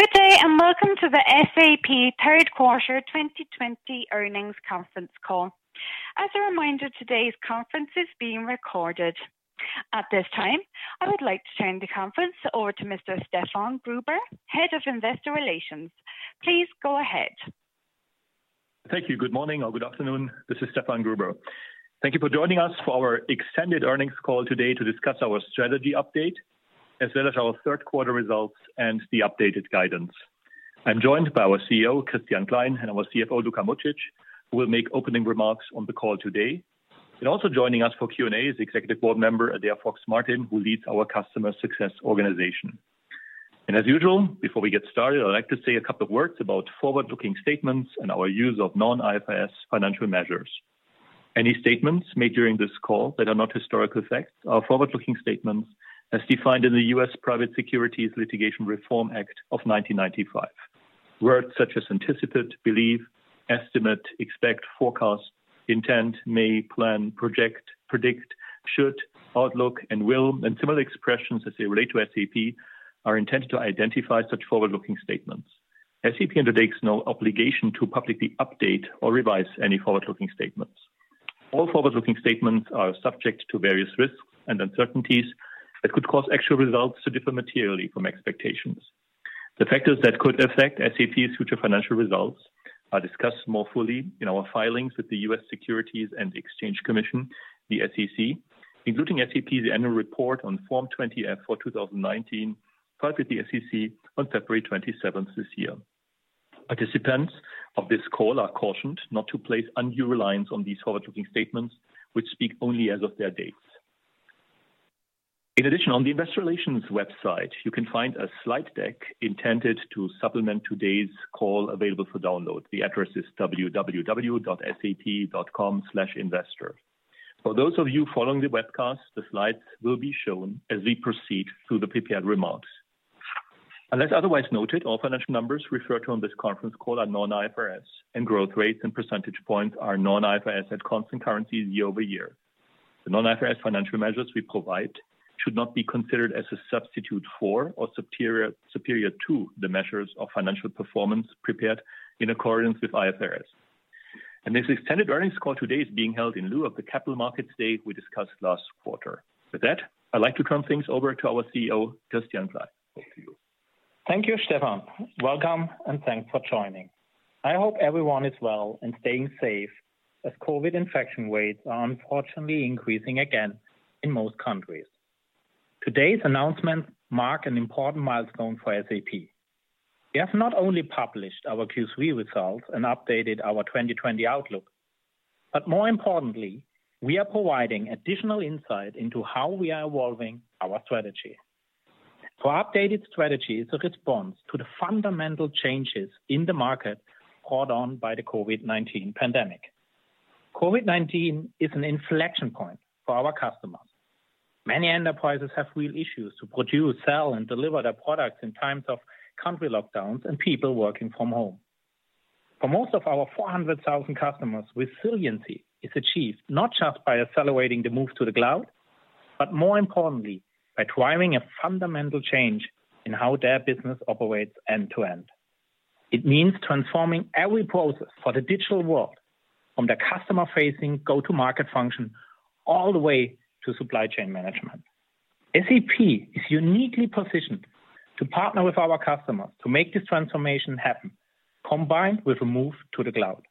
Good day, and welcome to the SAP third quarter 2020 earnings conference call. As a reminder, today's conference is being recorded. At this time, I would like to turn the conference over to Mr. Stefan Gruber, Head of Investor Relations. Please go ahead. Thank you. Good morning or good afternoon. This is Stefan Gruber. Thank you for joining us for our extended earnings call today to discuss our strategy update, as well as our third quarter results and the updated guidance. I'm joined by our CEO, Christian Klein, and our CFO, Luka Mucic, who will make opening remarks on the call today. Also joining us for Q&A is Executive Board Member, Adaire Fox-Martin, who leads our Customer Success Organization. As usual, before we get started, I'd like to say a couple of words about forward-looking statements and our use of non-IFRS financial measures. Any statements made during this call that are not historical facts are forward-looking statements as defined in the U.S. Private Securities Litigation Reform Act of 1995. Words such as anticipate, believe, estimate, expect, forecast, intend, may, plan, project, predict, should, outlook, and will, and similar expressions as they relate to SAP are intended to identify such forward-looking statements. SAP undertakes no obligation to publicly update or revise any forward-looking statements. All forward-looking statements are subject to various risks and uncertainties that could cause actual results to differ materially from expectations. The factors that could affect SAP's future financial results are discussed more fully in our filings with the U.S. Securities and Exchange Commission, the SEC, including SAP's annual report on Form 20-F for 2019, filed with the SEC on February 27th this year. Participants of this call are cautioned not to place undue reliance on these forward-looking statements, which speak only as of their dates. On the investor relations website, you can find a slide deck intended to supplement today's call available for download. The address is www.sap.com/investor. For those of you following the webcast, the slides will be shown as we proceed through the prepared remarks. Unless otherwise noted, all financial numbers referred to on this conference call are non-IFRS, and growth rates and percentage points are non-IFRS at constant currencies year-over-year. The non-IFRS financial measures we provide should not be considered as a substitute for or superior to the measures of financial performance prepared in accordance with IFRS. This extended earnings call today is being held in lieu of the Capital Markets Day we discussed last quarter. With that, I'd like to turn things over to our CEO, Christian Klein. Over to you. Thank you, Stefan. Welcome, and thanks for joining. I hope everyone is well and staying safe as COVID infection rates are unfortunately increasing again in most countries. Today's announcements mark an important milestone for SAP. We have not only published our Q3 results and updated our 2020 outlook, but more importantly, we are providing additional insight into how we are evolving our strategy. Our updated strategy is a response to the fundamental changes in the market brought on by the COVID-19 pandemic. COVID-19 is an inflection point for our customers. Many enterprises have real issues to produce, sell, and deliver their products in times of country lockdowns and people working from home. For most of our 400,000 customers, resiliency is achieved not just by accelerating the move to the cloud, but more importantly, by driving a fundamental change in how their business operates end to end. It means transforming every process for the digital world, from the customer-facing go-to-market function, all the way to supply chain management. SAP is uniquely positioned to partner with our customers to make this transformation happen, combined with a move to the cloud.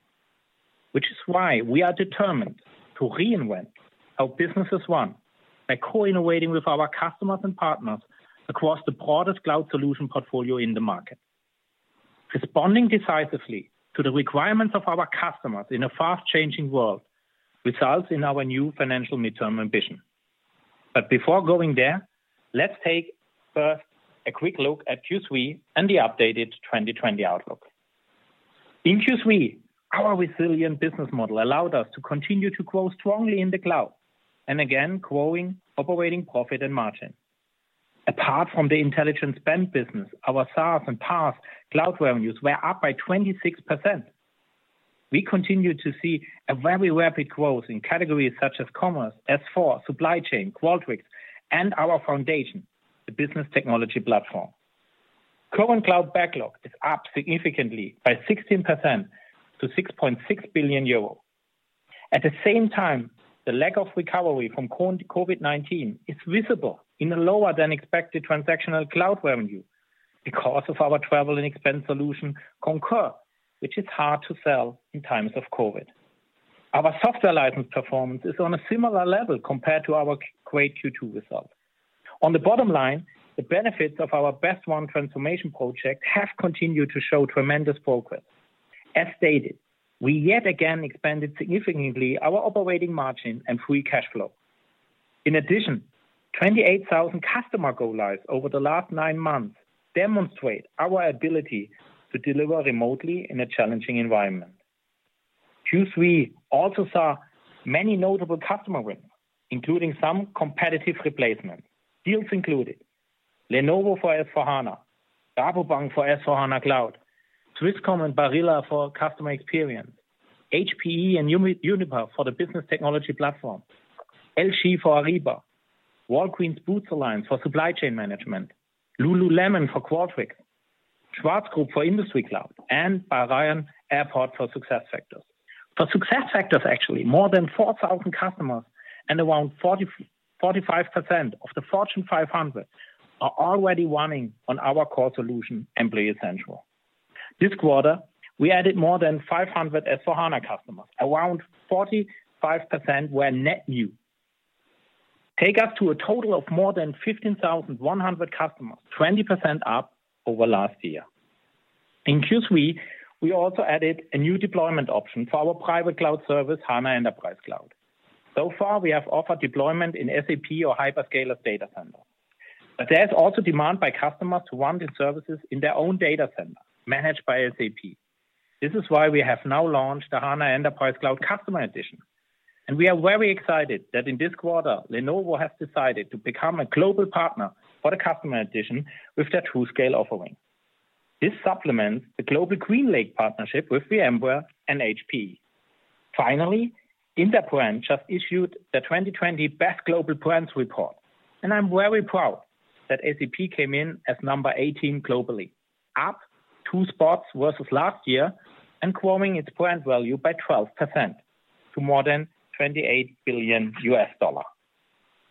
We are determined to reinvent how business is run by co-innovating with our customers and partners across the broadest cloud solution portfolio in the market. Responding decisively to the requirements of our customers in a fast-changing world results in our new financial midterm ambition. Before going there, let's take first a quick look at Q3 and the updated 2020 outlook. In Q3, our resilient business model allowed us to continue to grow strongly in the cloud, and again, growing operating profit and margin. Apart from the intelligent spend business, our SaaS and PaaS cloud revenues were up by 26%. We continue to see a very rapid growth in categories such as commerce, S/4, supply chain, Qualtrics, and our foundation, the SAP Business Technology Platform. Current cloud backlog is up significantly by 16% to 6.6 billion euro. At the same time, the lack of recovery from COVID-19 is visible in a lower-than-expected transactional cloud revenue because of our travel and expense solution, Concur, which is hard to sell in times of COVID. Our software license performance is on a similar level compared to our great Q2 result. On the bottom line, the benefits of our Best Run transformation project have continued to show tremendous progress. As stated, we yet again expanded significantly our operating margin and free cash flow. In addition, 28,000 customer go lives over the last nine months demonstrate our ability to deliver remotely in a challenging environment. Q3 also saw many notable customer wins, including some competitive replacements. Deals included Lenovo for S/4HANA, Rabobank for S/4HANA Cloud, Swisscom and Barilla for customer experience. HPE and Uniper for the SAP Business Technology Platform. LG for Ariba. Walgreens Boots Alliance for supply chain management. lululemon for Qualtrics. Schwarz Group for Industry Cloud. Bahrain Airport Services for SuccessFactors. For SuccessFactors, actually, more than 4,000 customers and around 45% of the Fortune 500 are already running on our core solution, Employee Central. This quarter, we added more than 500 S/4HANA customers. Around 45% were net new. Take us to a total of more than 15,100 customers, 20% up over last year. In Q3, we also added a new deployment option for our private cloud service, SAP HANA Enterprise Cloud. So far, we have offered deployment in SAP or hyperscaler data centers. There's also demand by customers who want these services in their own data center managed by SAP. This is why we have now launched the HANA Enterprise Cloud, customer edition, and we are very excited that in this quarter, Lenovo has decided to become a global partner for the customer edition with their TruScale offering. This supplements the global GreenLake partnership with VMware and HP. Finally, Interbrand just issued the 2020 Best Global Brands Report, and I'm very proud that SAP came in as number 18 globally, up two spots versus last year, and growing its brand value by 12% to more than $28 billion.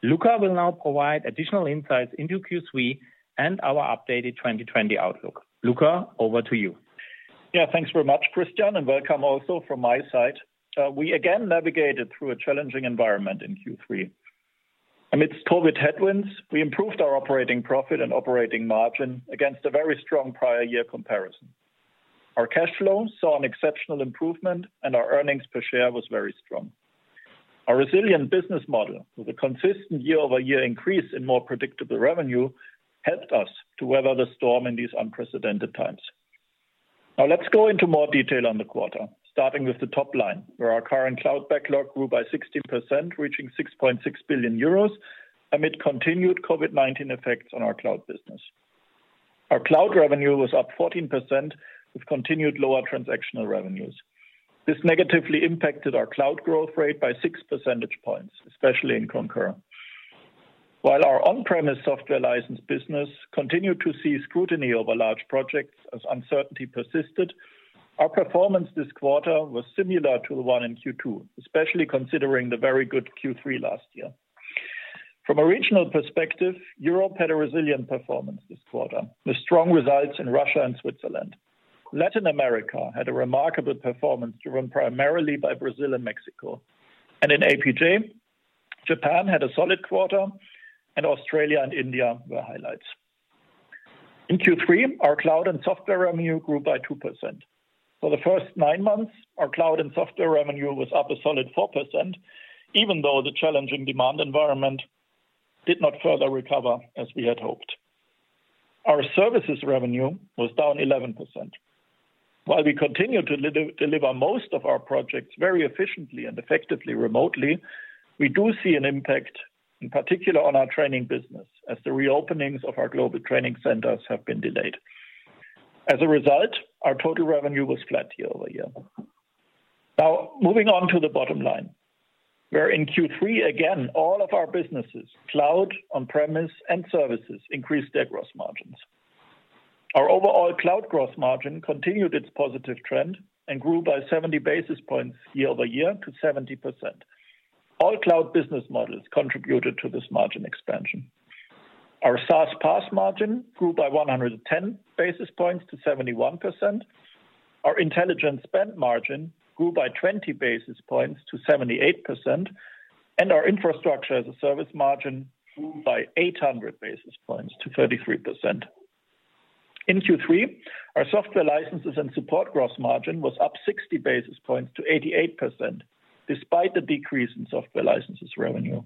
Luka will now provide additional insights into Q3 and our updated 2020 outlook. Luka, over to you. Yeah, thanks very much, Christian, and welcome also from my side. We again navigated through a challenging environment in Q3. Amidst COVID-19 headwinds, we improved our operating profit and operating margin against a very strong prior year comparison. Our cash flow saw an exceptional improvement, and our earnings per share was very strong. Our resilient business model, with a consistent year-over-year increase in more predictable revenue, helped us to weather the storm in these unprecedented times. Now let's go into more detail on the quarter, starting with the top line, where our current cloud backlog grew by 16%, reaching 6.6 billion euros amid continued COVID-19 effects on our cloud business. Our cloud revenue was up 14% with continued lower transactional revenues. This negatively impacted our cloud growth rate by 6 percentage points, especially in Concur. While our on-premise software license business continued to see scrutiny over large projects as uncertainty persisted, our performance this quarter was similar to the one in Q2, especially considering the very good Q3 last year. From a regional perspective, Europe had a resilient performance this quarter, with strong results in Russia and Switzerland. Latin America had a remarkable performance driven primarily by Brazil and Mexico. In APJ, Japan had a solid quarter, and Australia and India were highlights. In Q3, our cloud and software revenue grew by 2%. For the first nine months, our cloud and software revenue was up a solid 4%, even though the challenging demand environment did not further recover as we had hoped. Our services revenue was down 11%. While we continue to deliver most of our projects very efficiently and effectively remotely, we do see an impact, in particular on our training business, as the reopenings of our global training centers have been delayed. As a result, our total revenue was flat year-over-year. Now, moving on to the bottom line, where in Q3, again, all of our businesses, cloud, on-premise, and services, increased their gross margins. Our overall cloud gross margin continued its positive trend and grew by 70 basis points year-over-year to 70%. All cloud business models contributed to this margin expansion. Our SaaS/PaaS margin grew by 110 basis points to 71%. Our intelligent spend margin grew by 20 basis points to 78%, and our Infrastructure as a Service margin grew by 800 basis points to 33%. In Q3, our software licenses and support gross margin was up 60 basis points to 88%, despite the decrease in software licenses revenue.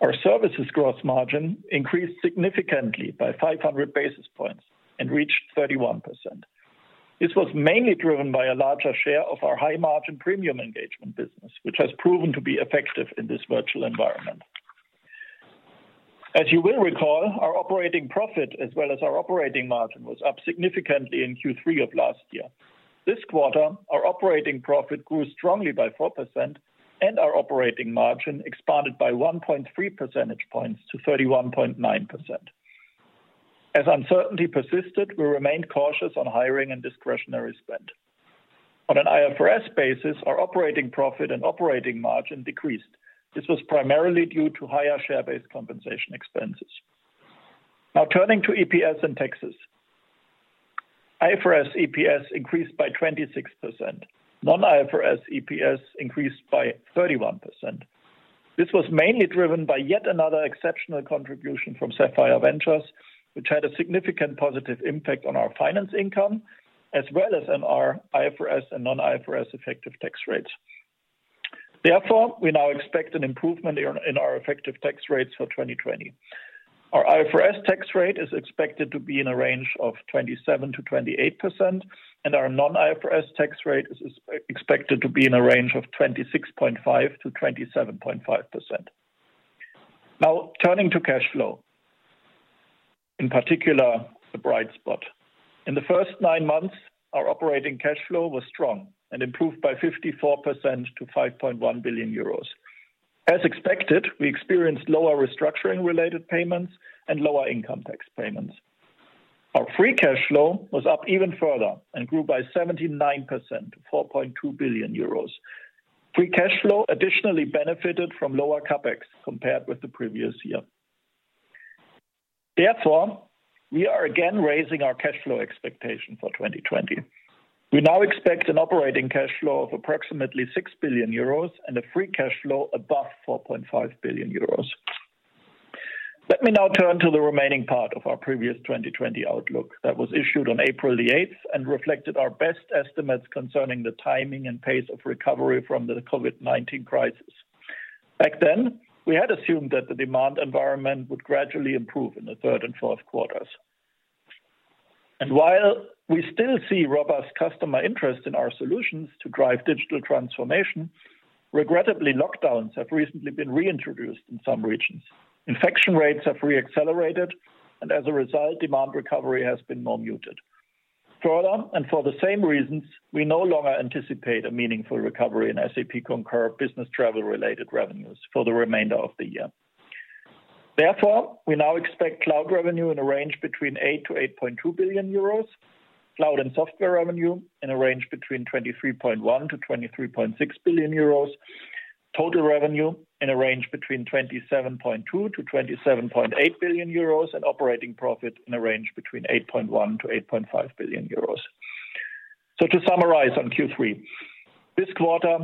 Our services gross margin increased significantly by 500 basis points and reached 31%. This was mainly driven by a larger share of our high-margin premium engagement business, which has proven to be effective in this virtual environment. As you will recall, our operating profit as well as our operating margin was up significantly in Q3 of last year. This quarter, our operating profit grew strongly by 4%, and our operating margin expanded by 1.3 percentage points to 31.9%. As uncertainty persisted, we remained cautious on hiring and discretionary spend. On an IFRS basis, our operating profit and operating margin decreased. This was primarily due to higher share-based compensation expenses. Now turning to EPS and taxes. IFRS EPS increased by 26%. Non-IFRS EPS increased by 31%. This was mainly driven by yet another exceptional contribution from Sapphire Ventures, which had a significant positive impact on our finance income, as well as on our IFRS and non-IFRS effective tax rates. We now expect an improvement in our effective tax rates for 2020. Our IFRS tax rate is expected to be in a range of 27%-28%, and our non-IFRS tax rate is expected to be in a range of 26.5%-27.5%. Turning to cash flow. In particular, the bright spot. In the first nine months, our operating cash flow was strong and improved by 54% to 5.1 billion euros. As expected, we experienced lower restructuring related payments and lower income tax payments. Our free cash flow was up even further and grew by 79% to 4.2 billion euros. Free cash flow additionally benefited from lower CapEx compared with the previous year. Therefore, we are again raising our cash flow expectation for 2020. We now expect an operating cash flow of approximately 6 billion euros and a free cash flow above 4.5 billion euros. Let me now turn to the remaining part of our previous 2020 outlook that was issued on April 8th and reflected our best estimates concerning the timing and pace of recovery from the COVID-19 crisis. Back then, we had assumed that the demand environment would gradually improve in the third and fourth quarters. While we still see robust customer interest in our solutions to drive digital transformation, regrettably, lockdowns have recently been reintroduced in some regions. Infection rates have re-accelerated and as a result, demand recovery has been more muted. Further, for the same reasons, we no longer anticipate a meaningful recovery in SAP Concur business travel related revenues for the remainder of the year. Therefore, we now expect cloud revenue in a range between 8 billion-8.2 billion euros, cloud and software revenue in a range between 23.1 billion-23.6 billion euros, total revenue in a range between 27.2 billion-27.8 billion euros, and operating profit in a range between 8.1 billion-8.5 billion euros. To summarize on Q3. This quarter,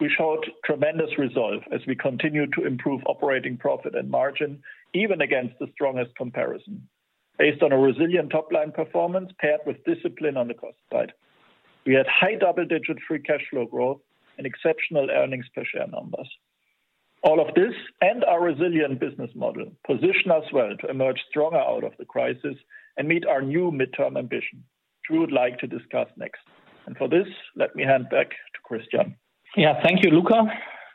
we showed tremendous resolve as we continued to improve operating profit and margin, even against the strongest comparison. Based on a resilient top-line performance paired with discipline on the cost side. We had high double-digit free cash flow growth and exceptional earnings per share numbers. All of this and our resilient business model position us well to emerge stronger out of the crisis and meet our new midterm ambition, which we would like to discuss next. For this, let me hand back to Christian. Yeah, thank you, Luka.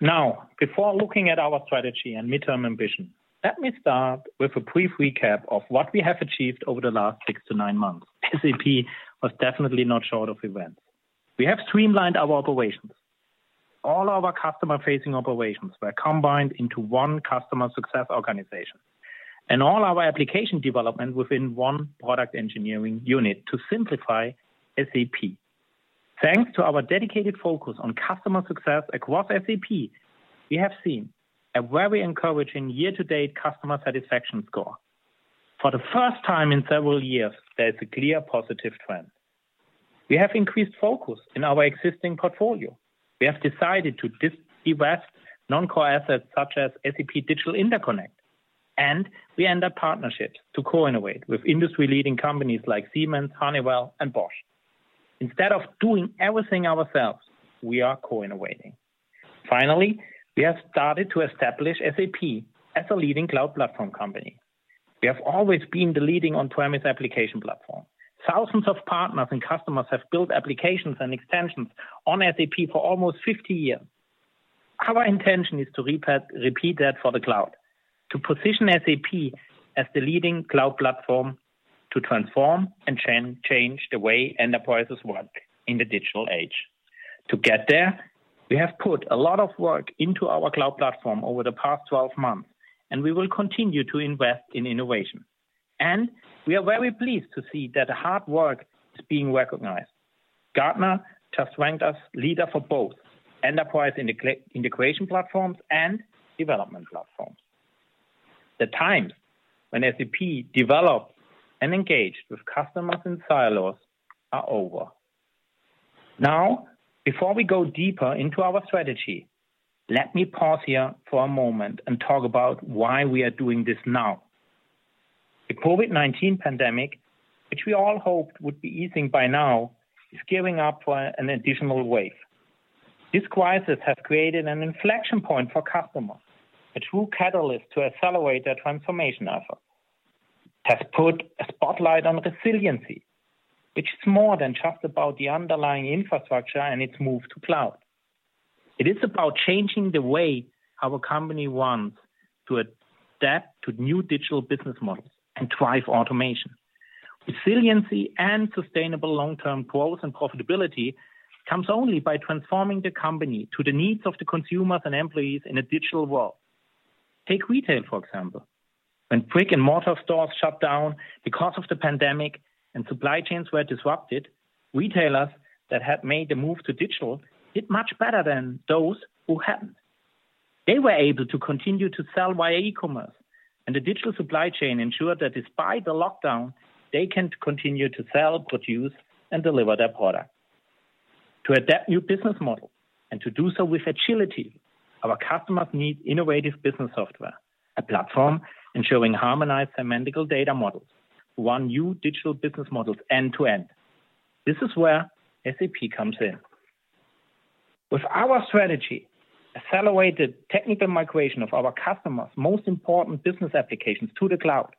Now, before looking at our strategy and midterm ambition, let me start with a brief recap of what we have achieved over the last six to nine months. SAP was definitely not short of events. We have streamlined our operations. All our customer facing operations were combined into one customer success organization. All our application development within one product engineering unit to simplify SAP. Thanks to our dedicated focus on customer success across SAP, we have seen a very encouraging year-to-date customer satisfaction score. For the first time in several years, there's a clear positive trend. We have increased focus in our existing portfolio. We have decided to divest non-core assets such as SAP Digital Interconnect, and we end our partnership to co-innovate with industry leading companies like Siemens, Honeywell, and Bosch. Instead of doing everything ourselves, we are co-innovating. Finally, we have started to establish SAP as a leading cloud platform company. We have always been the leading on-premise application platform. Thousands of partners and customers have built applications and extensions on SAP for almost 50 years. Our intention is to repeat that for the cloud, to position SAP as the leading cloud platform to transform and change the way enterprises work in the digital age. To get there, we have put a lot of work into our cloud platform over the past 12 months, and we will continue to invest in innovation. We are very pleased to see that the hard work is being recognized. Gartner just ranked us leader for both enterprise integration platforms and development platforms. The times when SAP developed and engaged with customers in silos are over. Now, before we go deeper into our strategy, let me pause here for a moment and talk about why we are doing this now. The COVID-19 pandemic, which we all hoped would be easing by now, is gearing up for an additional wave. This crisis has created an inflection point for customers, a true catalyst to accelerate their transformation effort. It has put a spotlight on resiliency, which is more than just about the underlying infrastructure and its move to cloud. It is about changing the way our company runs to adapt to new digital business models and drive automation. Resiliency and sustainable long-term growth and profitability comes only by transforming the company to the needs of the consumers and employees in a digital world. Take retail, for example. When brick and mortar stores shut down because of the pandemic and supply chains were disrupted, retailers that had made the move to digital did much better than those who hadn't. They were able to continue to sell via e-commerce, and the digital supply chain ensured that despite the lockdown, they can continue to sell, produce, and deliver their product. To adapt new business models and to do so with agility, our customers need innovative business software, a platform ensuring harmonized semantic data models, one new digital business models end to end. This is where SAP comes in. With our strategy, accelerated technical migration of our customers' most important business applications to the cloud,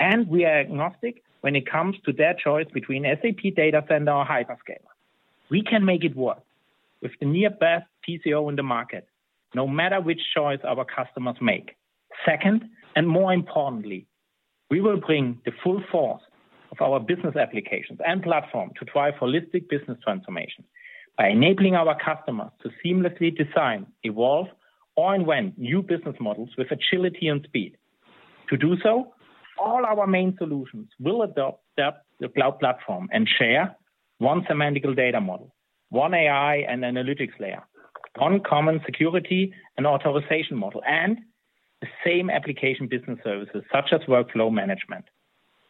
and we are agnostic when it comes to their choice between SAP Data Center or hyperscaler. We can make it work. With the near-best TCO in the market, no matter which choice our customers make. Second, more importantly, we will bring the full force of our business applications and platform to drive holistic business transformation by enabling our customers to seamlessly design, evolve, or invent new business models with agility and speed. To do so, all our main solutions will adopt the cloud platform and share one semantical data model, one AI and analytics layer, one common security and authorization model, and the same application business services such as workflow management.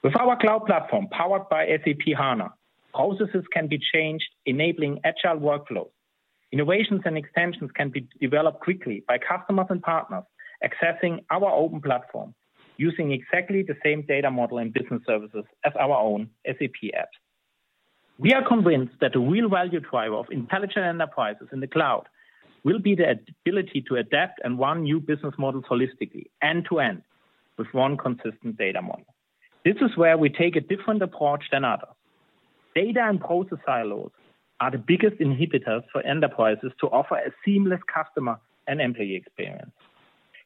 With our cloud platform powered by SAP HANA, processes can be changed, enabling agile workflow. Innovations and extensions can be developed quickly by customers and partners accessing our open platform using exactly the same data model and business services as our own SAP app. We are convinced that the real value driver of intelligent enterprises in the cloud will be the ability to adapt and run new business models holistically, end-to-end, with one consistent data model. This is where we take a different approach than others. Data and process silos are the biggest inhibitors for enterprises to offer a seamless customer and employee experience.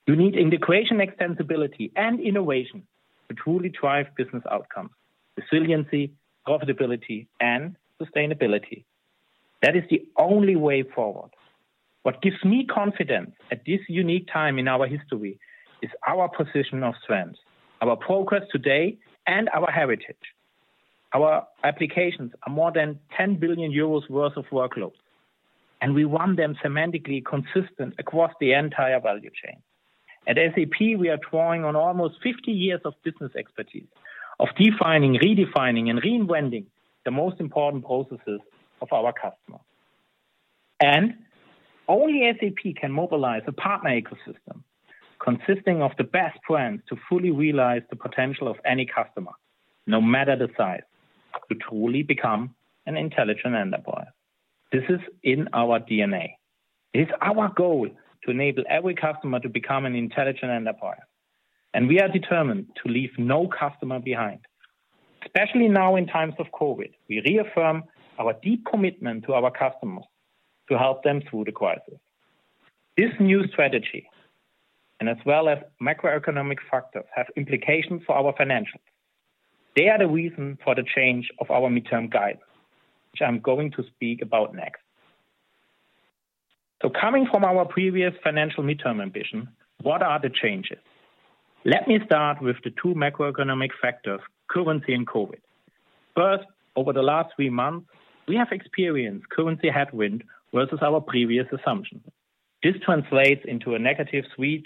You need integration extensibility and innovation to truly drive business outcomes, resiliency, profitability, and sustainability. That is the only way forward. What gives me confidence at this unique time in our history is our position of strength, our progress today, and our heritage. Our applications are more than 10 billion euros worth of workloads, and we run them semantically consistent across the entire value chain. At SAP, we are drawing on almost 50 years of business expertise, of defining, redefining, and reinventing the most important processes of our customers. Only SAP can mobilize a partner ecosystem consisting of the best plans to fully realize the potential of any customer, no matter the size, to truly become an intelligent enterprise. This is in our DNA. It is our goal to enable every customer to become an intelligent enterprise, and we are determined to leave no customer behind. Especially now in times of COVID-19, we reaffirm our deep commitment to our customers to help them through the crisis. This new strategy, and as well as macroeconomic factors, have implications for our financials. They are the reason for the change of our midterm guidance, which I'm going to speak about next. Coming from our previous financial midterm ambition, what are the changes? Let me start with the two macroeconomic factors, currency and COVID-19. First, over the last three months, we have experienced currency headwind versus our previous assumption. This translates into a negative 3-4%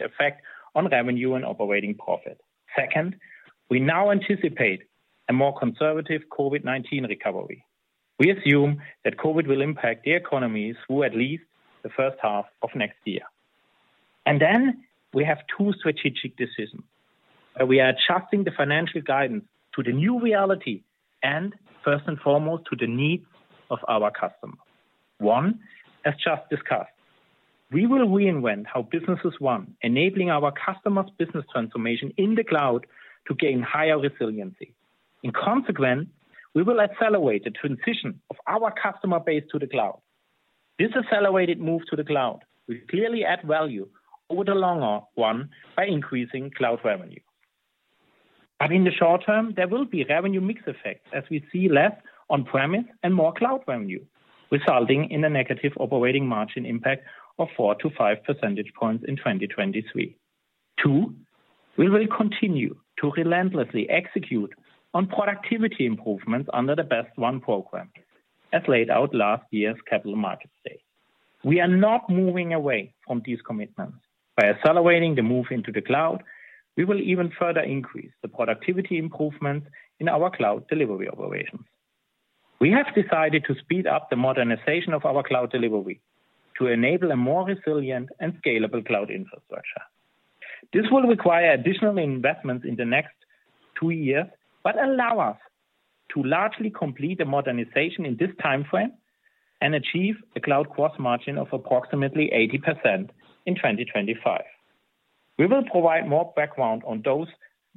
effect on revenue and operating profit. Second, we now anticipate a more conservative COVID-19 recovery. We assume that COVID will impact the economies through at least the first half of next year. We have two strategic decisions, where we are adjusting the financial guidance to the new reality and, first and foremost, to the needs of our customers. One, as just discussed, we will reinvent how business is won, enabling our customers' business transformation in the cloud to gain higher resiliency. In consequence, we will accelerate the transition of our customer base to the cloud. This accelerated move to the cloud will clearly add value over the longer run by increasing cloud revenue. In the short term, there will be revenue mix effects as we see less on-premise and more cloud revenue, resulting in a negative operating margin impact of 4 to 5 percentage points in 2023. Two, we will continue to relentlessly execute on productivity improvements under the Best Run program, as laid out last year's Capital Markets Day. We are not moving away from these commitments. By accelerating the move into the cloud, we will even further increase the productivity improvement in our cloud delivery operations. We have decided to speed up the modernization of our cloud delivery to enable a more resilient and scalable cloud infrastructure. This will require additional investments in the next two years, but allow us to largely complete the modernization in this timeframe and achieve a cloud gross margin of approximately 80% in 2025. We will provide more background on those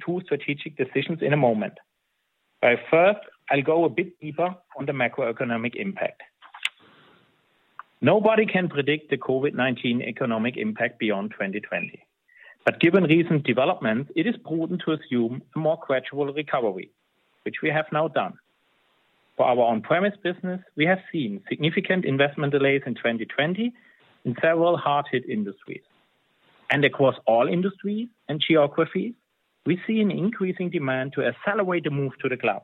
two strategic decisions in a moment. First, I'll go a bit deeper on the macroeconomic impact. Nobody can predict the COVID-19 economic impact beyond 2020. Given recent developments, it is prudent to assume a more gradual recovery, which we have now done. For our on-premise business, we have seen significant investment delays in 2020 in several hard-hit industries. Across all industries and geographies, we see an increasing demand to accelerate the move to the cloud.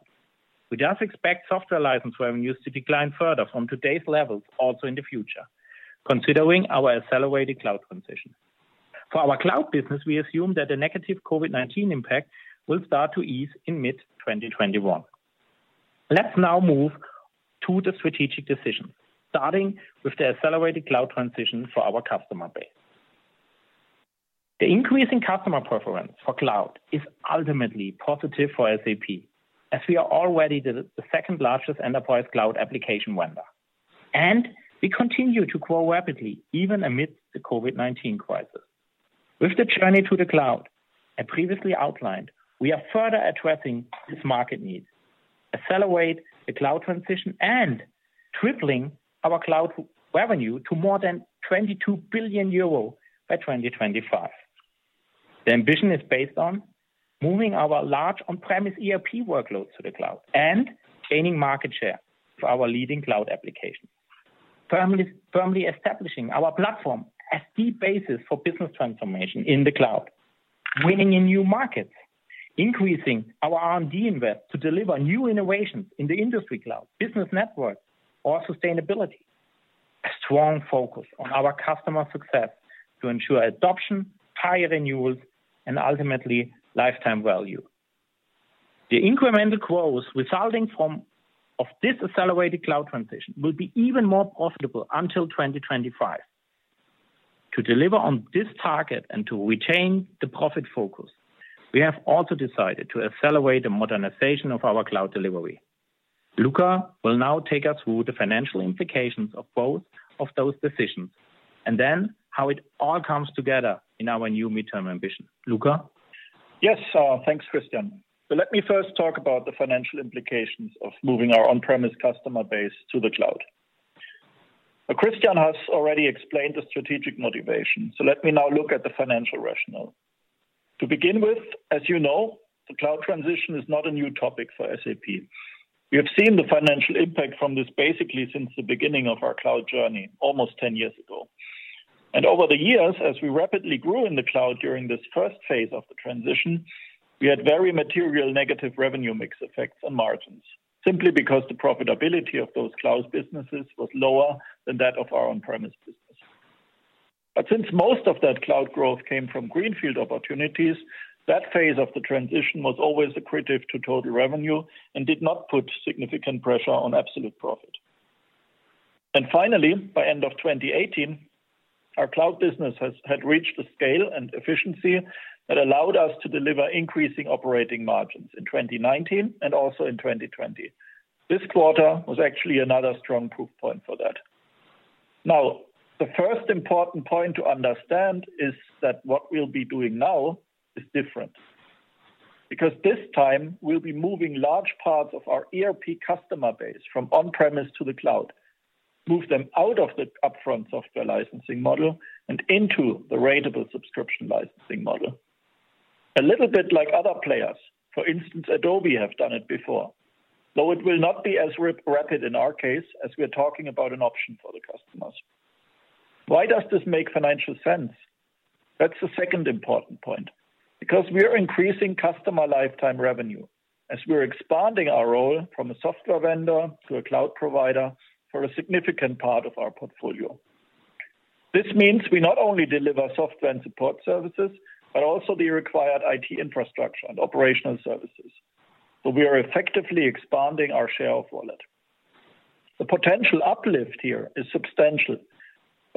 We thus expect software license revenues to decline further from today's levels also in the future, considering our accelerated cloud transition. For our cloud business, we assume that the negative COVID-19 impact will start to ease in mid-2021. Let's now move to the strategic decisions, starting with the accelerated cloud transition for our customer base. The increase in customer preference for cloud is ultimately positive for SAP, as we are already the second largest enterprise cloud application vendor. We continue to grow rapidly, even amidst the COVID-19 crisis. With the journey to the cloud, as previously outlined, we are further addressing this market need, accelerate the cloud transition, and tripling our cloud revenue to more than 22 billion euro by 2025. The ambition is based on moving our large on-premise ERP workloads to the cloud and gaining market share for our leading cloud applications. Firmly establishing our platform as the basis for business transformation in the cloud. Winning in new markets. Increasing our R&D invest to deliver new innovations in the Industry Cloud, Business Network or sustainability. A strong focus on our customer success to ensure adoption, higher renewals, and ultimately, lifetime value. The incremental growth resulting from this accelerated cloud transition will be even more profitable until 2025. To deliver on this target and to retain the profit focus, we have also decided to accelerate the modernization of our cloud delivery. Luka will now take us through the financial implications of both of those decisions, how it all comes together in our new midterm ambition. Luka? Yes. Thanks, Christian. Let me first talk about the financial implications of moving our on-premise customer base to the cloud. Christian has already explained the strategic motivation, let me now look at the financial rationale. To begin with, as you know, the cloud transition is not a new topic for SAP. We have seen the financial impact from this basically since the beginning of our cloud journey almost 10 years ago. Over the years, as we rapidly grew in the cloud during this first phase of the transition, we had very material negative revenue mix effects on margins, simply because the profitability of those cloud businesses was lower than that of our on-premise business. Since most of that cloud growth came from greenfield opportunities, that phase of the transition was always accretive to total revenue and did not put significant pressure on absolute profit. Finally, by end of 2018, our cloud business had reached a scale and efficiency that allowed us to deliver increasing operating margins in 2019 and also in 2020. This quarter was actually another strong proof point for that. The first important point to understand is that what we'll be doing now is different. This time we'll be moving large parts of our ERP customer base from on-premise to the cloud, move them out of the upfront software licensing model and into the ratable subscription licensing model. A little bit like other players, for instance, Adobe have done it before. It will not be as rapid in our case, as we are talking about an option for the customers. Why does this make financial sense? That's the second important point. We are increasing customer lifetime revenue as we're expanding our role from a software vendor to a cloud provider for a significant part of our portfolio. This means we not only deliver software and support services, but also the required IT infrastructure and operational services. We are effectively expanding our share of wallet. The potential uplift here is substantial,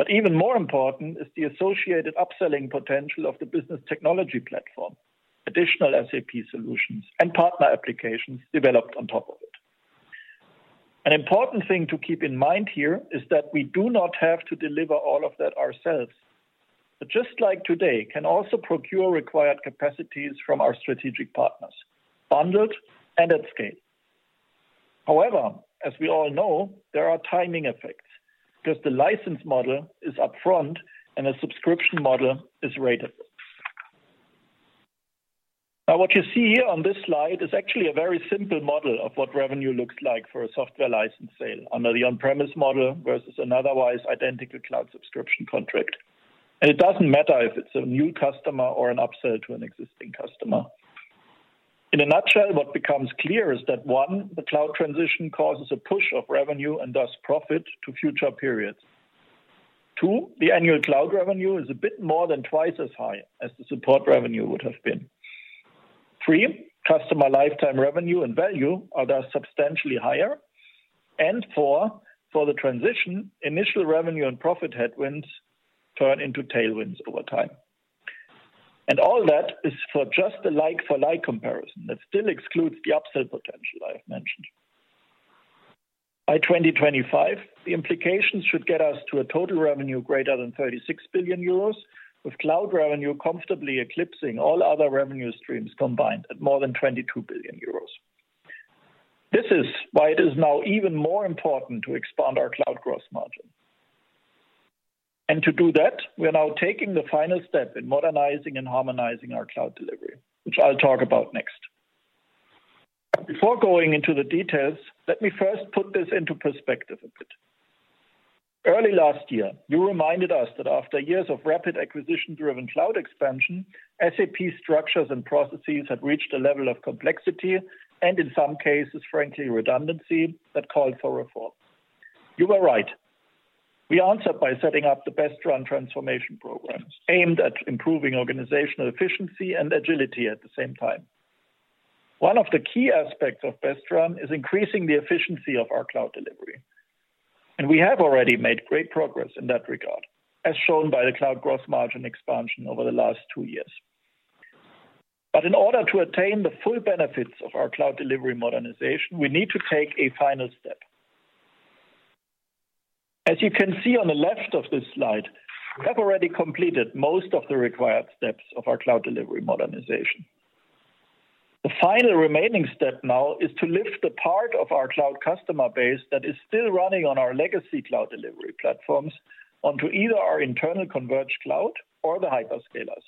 even more important is the associated upselling potential of the SAP Business Technology Platform, additional SAP solutions, and partner applications developed on top of it. An important thing to keep in mind here is that we do not have to deliver all of that ourselves. Just like today, we can also procure required capacities from our strategic partners, bundled and at scale. As we all know, there are timing effects because the license model is upfront and a subscription model is ratable. Now what you see here on this slide is actually a very simple model of what revenue looks like for a software license sale under the on-premise model versus an otherwise identical cloud subscription contract. It doesn't matter if it's a new customer or an upsell to an existing customer. In a nutshell, what becomes clear is that, one, the cloud transition causes a push of revenue and thus profit to future periods. Two, the annual cloud revenue is a bit more than twice as high as the support revenue would have been. Three, customer lifetime revenue and value are thus substantially higher. Four, for the transition, initial revenue and profit headwinds turn into tailwinds over time. All that is for just the like-for-like comparison. That still excludes the upsell potential I have mentioned. By 2025, the implications should get us to a total revenue greater than 36 billion euros, with cloud revenue comfortably eclipsing all other revenue streams combined at more than 22 billion euros. This is why it is now even more important to expand our cloud gross margin. To do that, we are now taking the final step in modernizing and harmonizing our cloud delivery, which I'll talk about next. Before going into the details, let me first put this into perspective a bit. Early last year, you reminded us that after years of rapid acquisition-driven cloud expansion, SAP structures and processes had reached a level of complexity, and in some cases, frankly, redundancy, that called for reform. You were right. We answered by setting up the Best Run transformation programs aimed at improving organizational efficiency and agility at the same time. One of the key aspects of Best Run is increasing the efficiency of our cloud delivery. We have already made great progress in that regard, as shown by the cloud gross margin expansion over the last two years. In order to attain the full benefits of our cloud delivery modernization, we need to take a final step. As you can see on the left of this slide, we have already completed most of the required steps of our cloud delivery modernization. The final remaining step now is to lift the part of our cloud customer base that is still running on our legacy cloud delivery platforms onto either our internal converged cloud or the hyperscalers.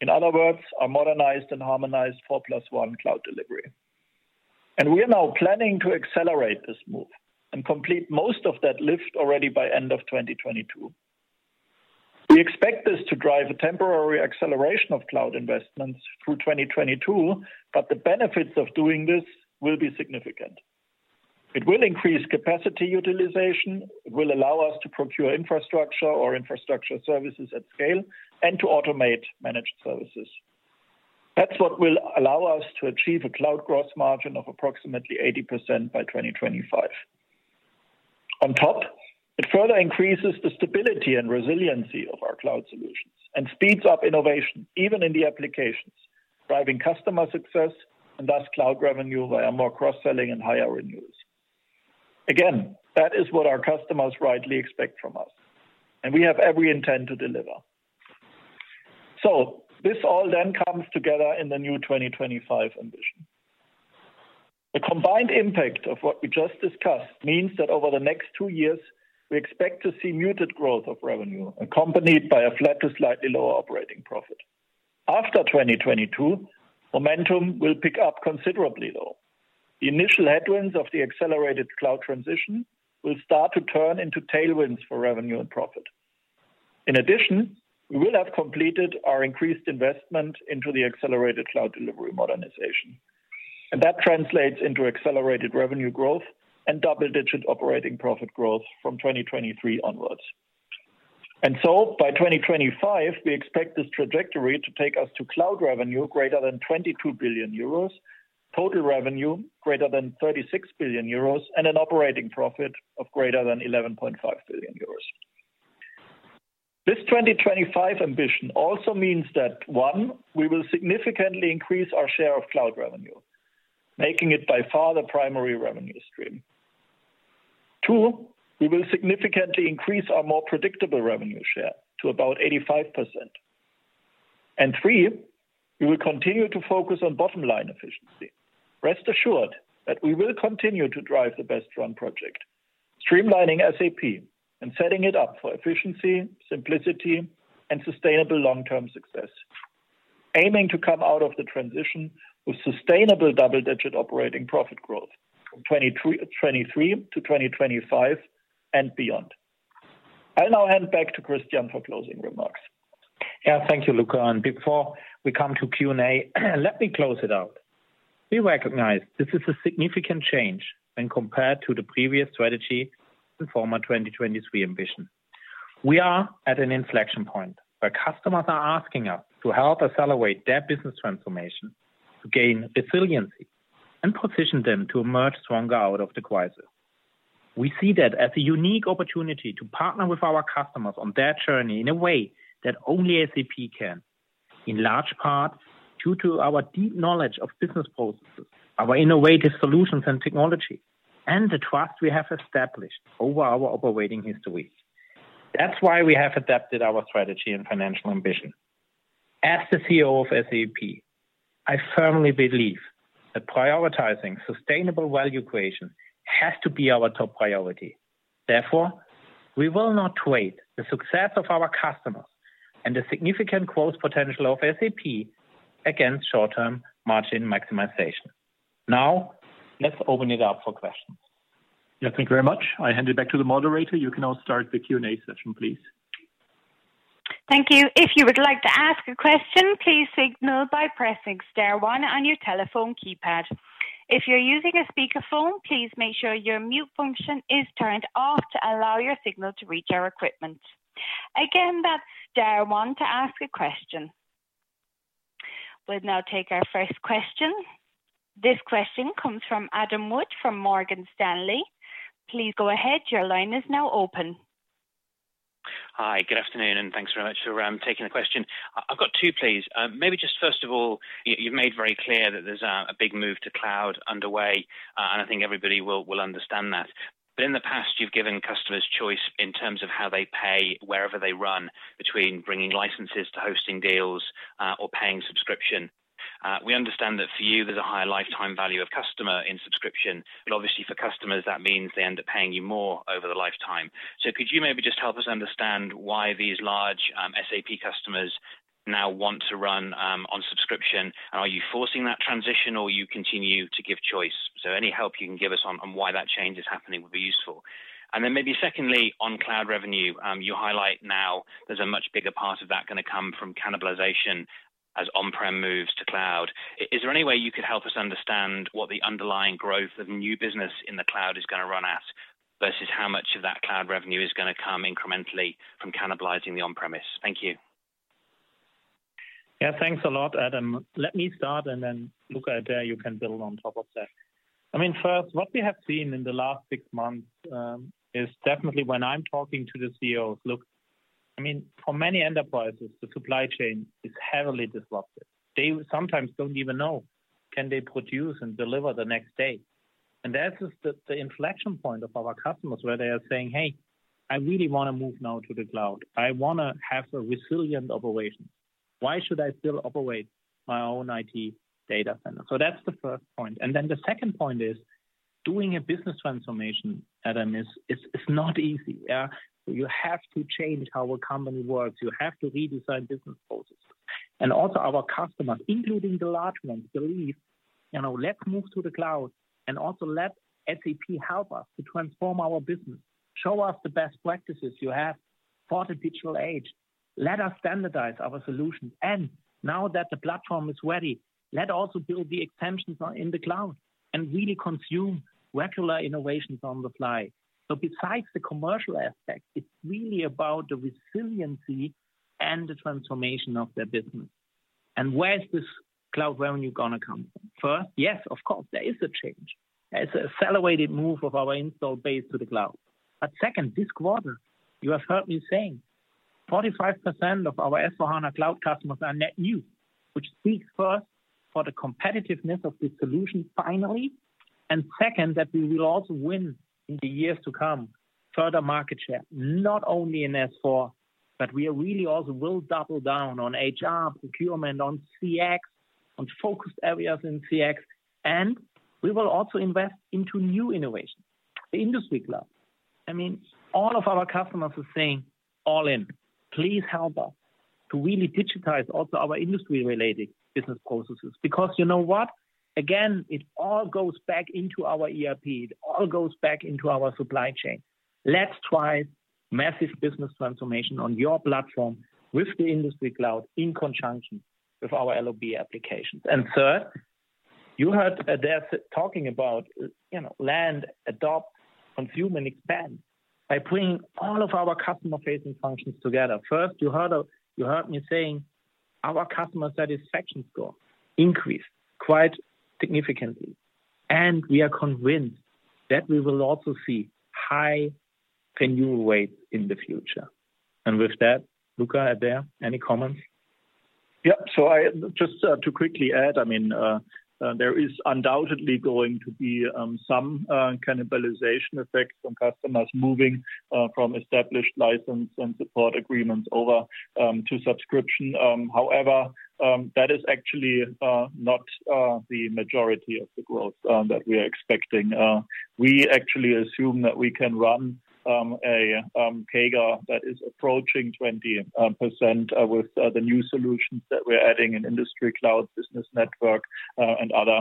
In other words, our modernized and harmonized four plus one cloud delivery. We are now planning to accelerate this move and complete most of that lift already by end of 2022. We expect this to drive a temporary acceleration of cloud investments through 2022, but the benefits of doing this will be significant. It will increase capacity utilization, it will allow us to procure infrastructure or infrastructure services at scale, and to automate managed services. That's what will allow us to achieve a cloud gross margin of approximately 80% by 2025. On top, it further increases the stability and resiliency of our cloud solutions and speeds up innovation even in the applications, driving customer success and thus cloud revenue via more cross-selling and higher renewals. Again, that is what our customers rightly expect from us, and we have every intent to deliver. This all then comes together in the new 2025 ambition. The combined impact of what we just discussed means that over the next two years, we expect to see muted growth of revenue accompanied by a flat to slightly lower operating profit. After 2022, momentum will pick up considerably, though. The initial headwinds of the accelerated cloud transition will start to turn into tailwinds for revenue and profit. In addition, we will have completed our increased investment into the accelerated cloud delivery modernization. That translates into accelerated revenue growth and double-digit operating profit growth from 2023 onwards. By 2025, we expect this trajectory to take us to cloud revenue greater than 22 billion euros, total revenue greater than 36 billion euros, and an operating profit of greater than 11.5 billion euros. This 2025 ambition also means that, one, we will significantly increase our share of cloud revenue, making it by far the primary revenue stream. Two, we will significantly increase our more predictable revenue share to about 85%. Three, we will continue to focus on bottom-line efficiency. Rest assured that we will continue to drive the Best Run project, streamlining SAP and setting it up for efficiency, simplicity, and sustainable long-term success, aiming to come out of the transition with sustainable double-digit operating profit growth from 2023 to 2025 and beyond. I'll now hand back to Christian for closing remarks. Thank you, Luka. Before we come to Q&A, let me close it out. We recognize this is a significant change when compared to the previous strategy, the former 2023 ambition. We are at an inflection point where customers are asking us to help accelerate their business transformation, to gain resiliency and position them to emerge stronger out of the crisis. We see that as a unique opportunity to partner with our customers on their journey in a way that only SAP can, in large part due to our deep knowledge of business processes, our innovative solutions and technology, and the trust we have established over our operating history. That's why we have adapted our strategy and financial ambition. As the CEO of SAP, I firmly believe that prioritizing sustainable value creation has to be our top priority. Therefore, we will not trade the success of our customers and the significant growth potential of SAP against short-term margin maximization. Now, let's open it up for questions. Yeah, thank you very much. I hand it back to the moderator. You can now start the Q&A session, please. Thank you. If you would like to ask a question, please signal by pressing star one on your telephone keypad. If you're using a speakerphone, please make sure your mute function is turned off to allow your signal to reach our equipment. Again, that's star one to ask a question. We'll now take our first question. This question comes from Adam Wood from Morgan Stanley. Please go ahead. Your line is now open. Hi. Good afternoon, and thanks very much for taking the question. I've got two, please. Maybe just first of all, you've made very clear that there's a big move to cloud underway, and I think everybody will understand that. In the past, you've given customers choice in terms of how they pay wherever they run, between bringing licenses to hosting deals, or paying subscription. We understand that for you, there's a higher lifetime value of customer in subscription. Obviously for customers, that means they end up paying you more over the lifetime. Could you maybe just help us understand why these large SAP customers now want to run on subscription? And are you forcing that transition or you continue to give choice? Any help you can give us on why that change is happening would be useful. Then maybe secondly, on cloud revenue, you highlight now there's a much bigger part of that going to come from cannibalization as on-prem moves to cloud. Is there any way you could help us understand what the underlying growth of new business in the cloud is going to run at, versus how much of that cloud revenue is going to come incrementally from cannibalizing the on-premise? Thank you. Thanks a lot, Adam. Let me start and then Luka, you can build on top of that. First, what we have seen in the last six months is definitely when I'm talking to the CEOs, for many enterprises, the supply chain is heavily disrupted. They sometimes don't even know can they produce and deliver the next day. That is the inflection point of our customers where they are saying, "Hey, I really want to move now to the cloud. I want to have a resilient operation. Why should I still operate my own IT data center?" That's the first point. The second point is, doing a business transformation, Adam, is not easy. You have to change how a company works. You have to redesign business processes. Also our customers, including the large ones, believe, let's move to the cloud and also let SAP help us to transform our business. Show us the best practices you have for the digital age. Let us standardize our solutions. Now that the platform is ready, let also build the extensions in the cloud and really consume regular innovations on the fly. Besides the commercial aspect, it's really about the resiliency and the transformation of their business. Where is this cloud revenue going to come from? First, yes, of course, there is a change. There's an accelerated move of our install base to the cloud. Second, this quarter, you have heard me saying, 45% of our S/4HANA Cloud customers are net new, which speaks first for the competitiveness of the solution, finally, and second, that we will also win in the years to come further market share, not only in S/4, but we really also will double down on HR, procurement, on CX, on focused areas in CX. We will also invest into new innovations. The Industry Cloud. All of our customers are saying, "All in. Please help us to really digitize also our industry-related business processes." You know what? Again, it all goes back into our ERP. It all goes back into our supply chain. Let's try massive business transformation on your platform with the Industry Cloud in conjunction with our LOB applications. Third, you heard Adaire talking about land, adopt, consume, and expand by bringing all of our customer-facing functions together. First, you heard me saying our customer satisfaction score increased quite significantly. We are convinced that we will also see high renewal rates in the future. With that, Luka, Adaire, any comments? Yep. Just to quickly add, there is undoubtedly going to be some cannibalization effect from customers moving from established license and support agreements over to subscription. However, that is actually not the majority of the growth that we are expecting. We actually assume that we can run a CAGR that is approaching 20% with the new solutions that we're adding in Industry Cloud, Business Network, and other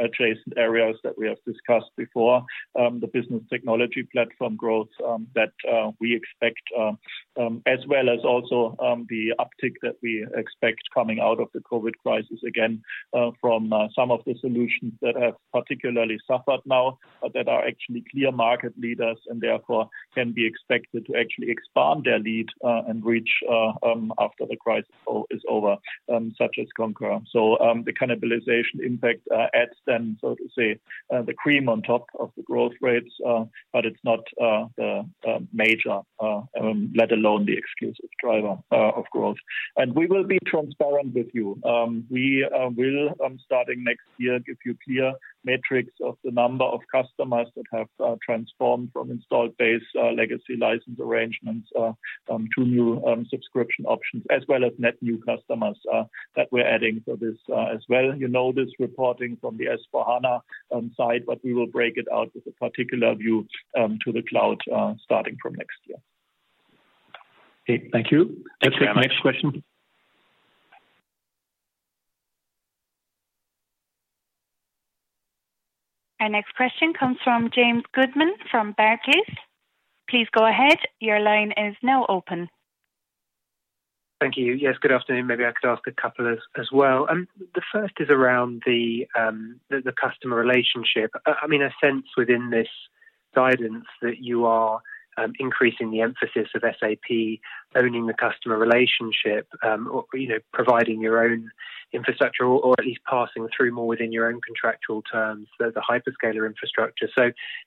adjacent areas that we have discussed before. The Business Technology Platform growth that we expect, as well as also the uptick that we expect coming out of the COVID crisis, again, from some of the solutions that have particularly suffered now that are actually clear market leaders, and therefore can be expected to actually expand their lead and reach after the crisis is over, such as Concur. The cannibalization impact adds then, so to say, the cream on top of the growth rates, but it's not the major, let alone the exclusive driver of growth. We will be transparent with you. We will, starting next year, give you clear metrics of the number of customers that have transformed from installed base legacy license arrangements to new subscription options, as well as net new customers that we're adding for this as well. You know this reporting from the S/4HANA side, but we will break it out with a particular view to the cloud starting from next year. Okay. Thank you. Thanks, Adam. Let's take the next question. Our next question comes from James Goodman from Barclays. Please go ahead. Thank you. Yes, good afternoon. Maybe I could ask a couple as well. The first is around the customer relationship. I sense within this guidance that you are increasing the emphasis of SAP owning the customer relationship, or providing your own infrastructure, or at least passing through more within your own contractual terms the hyperscaler infrastructure.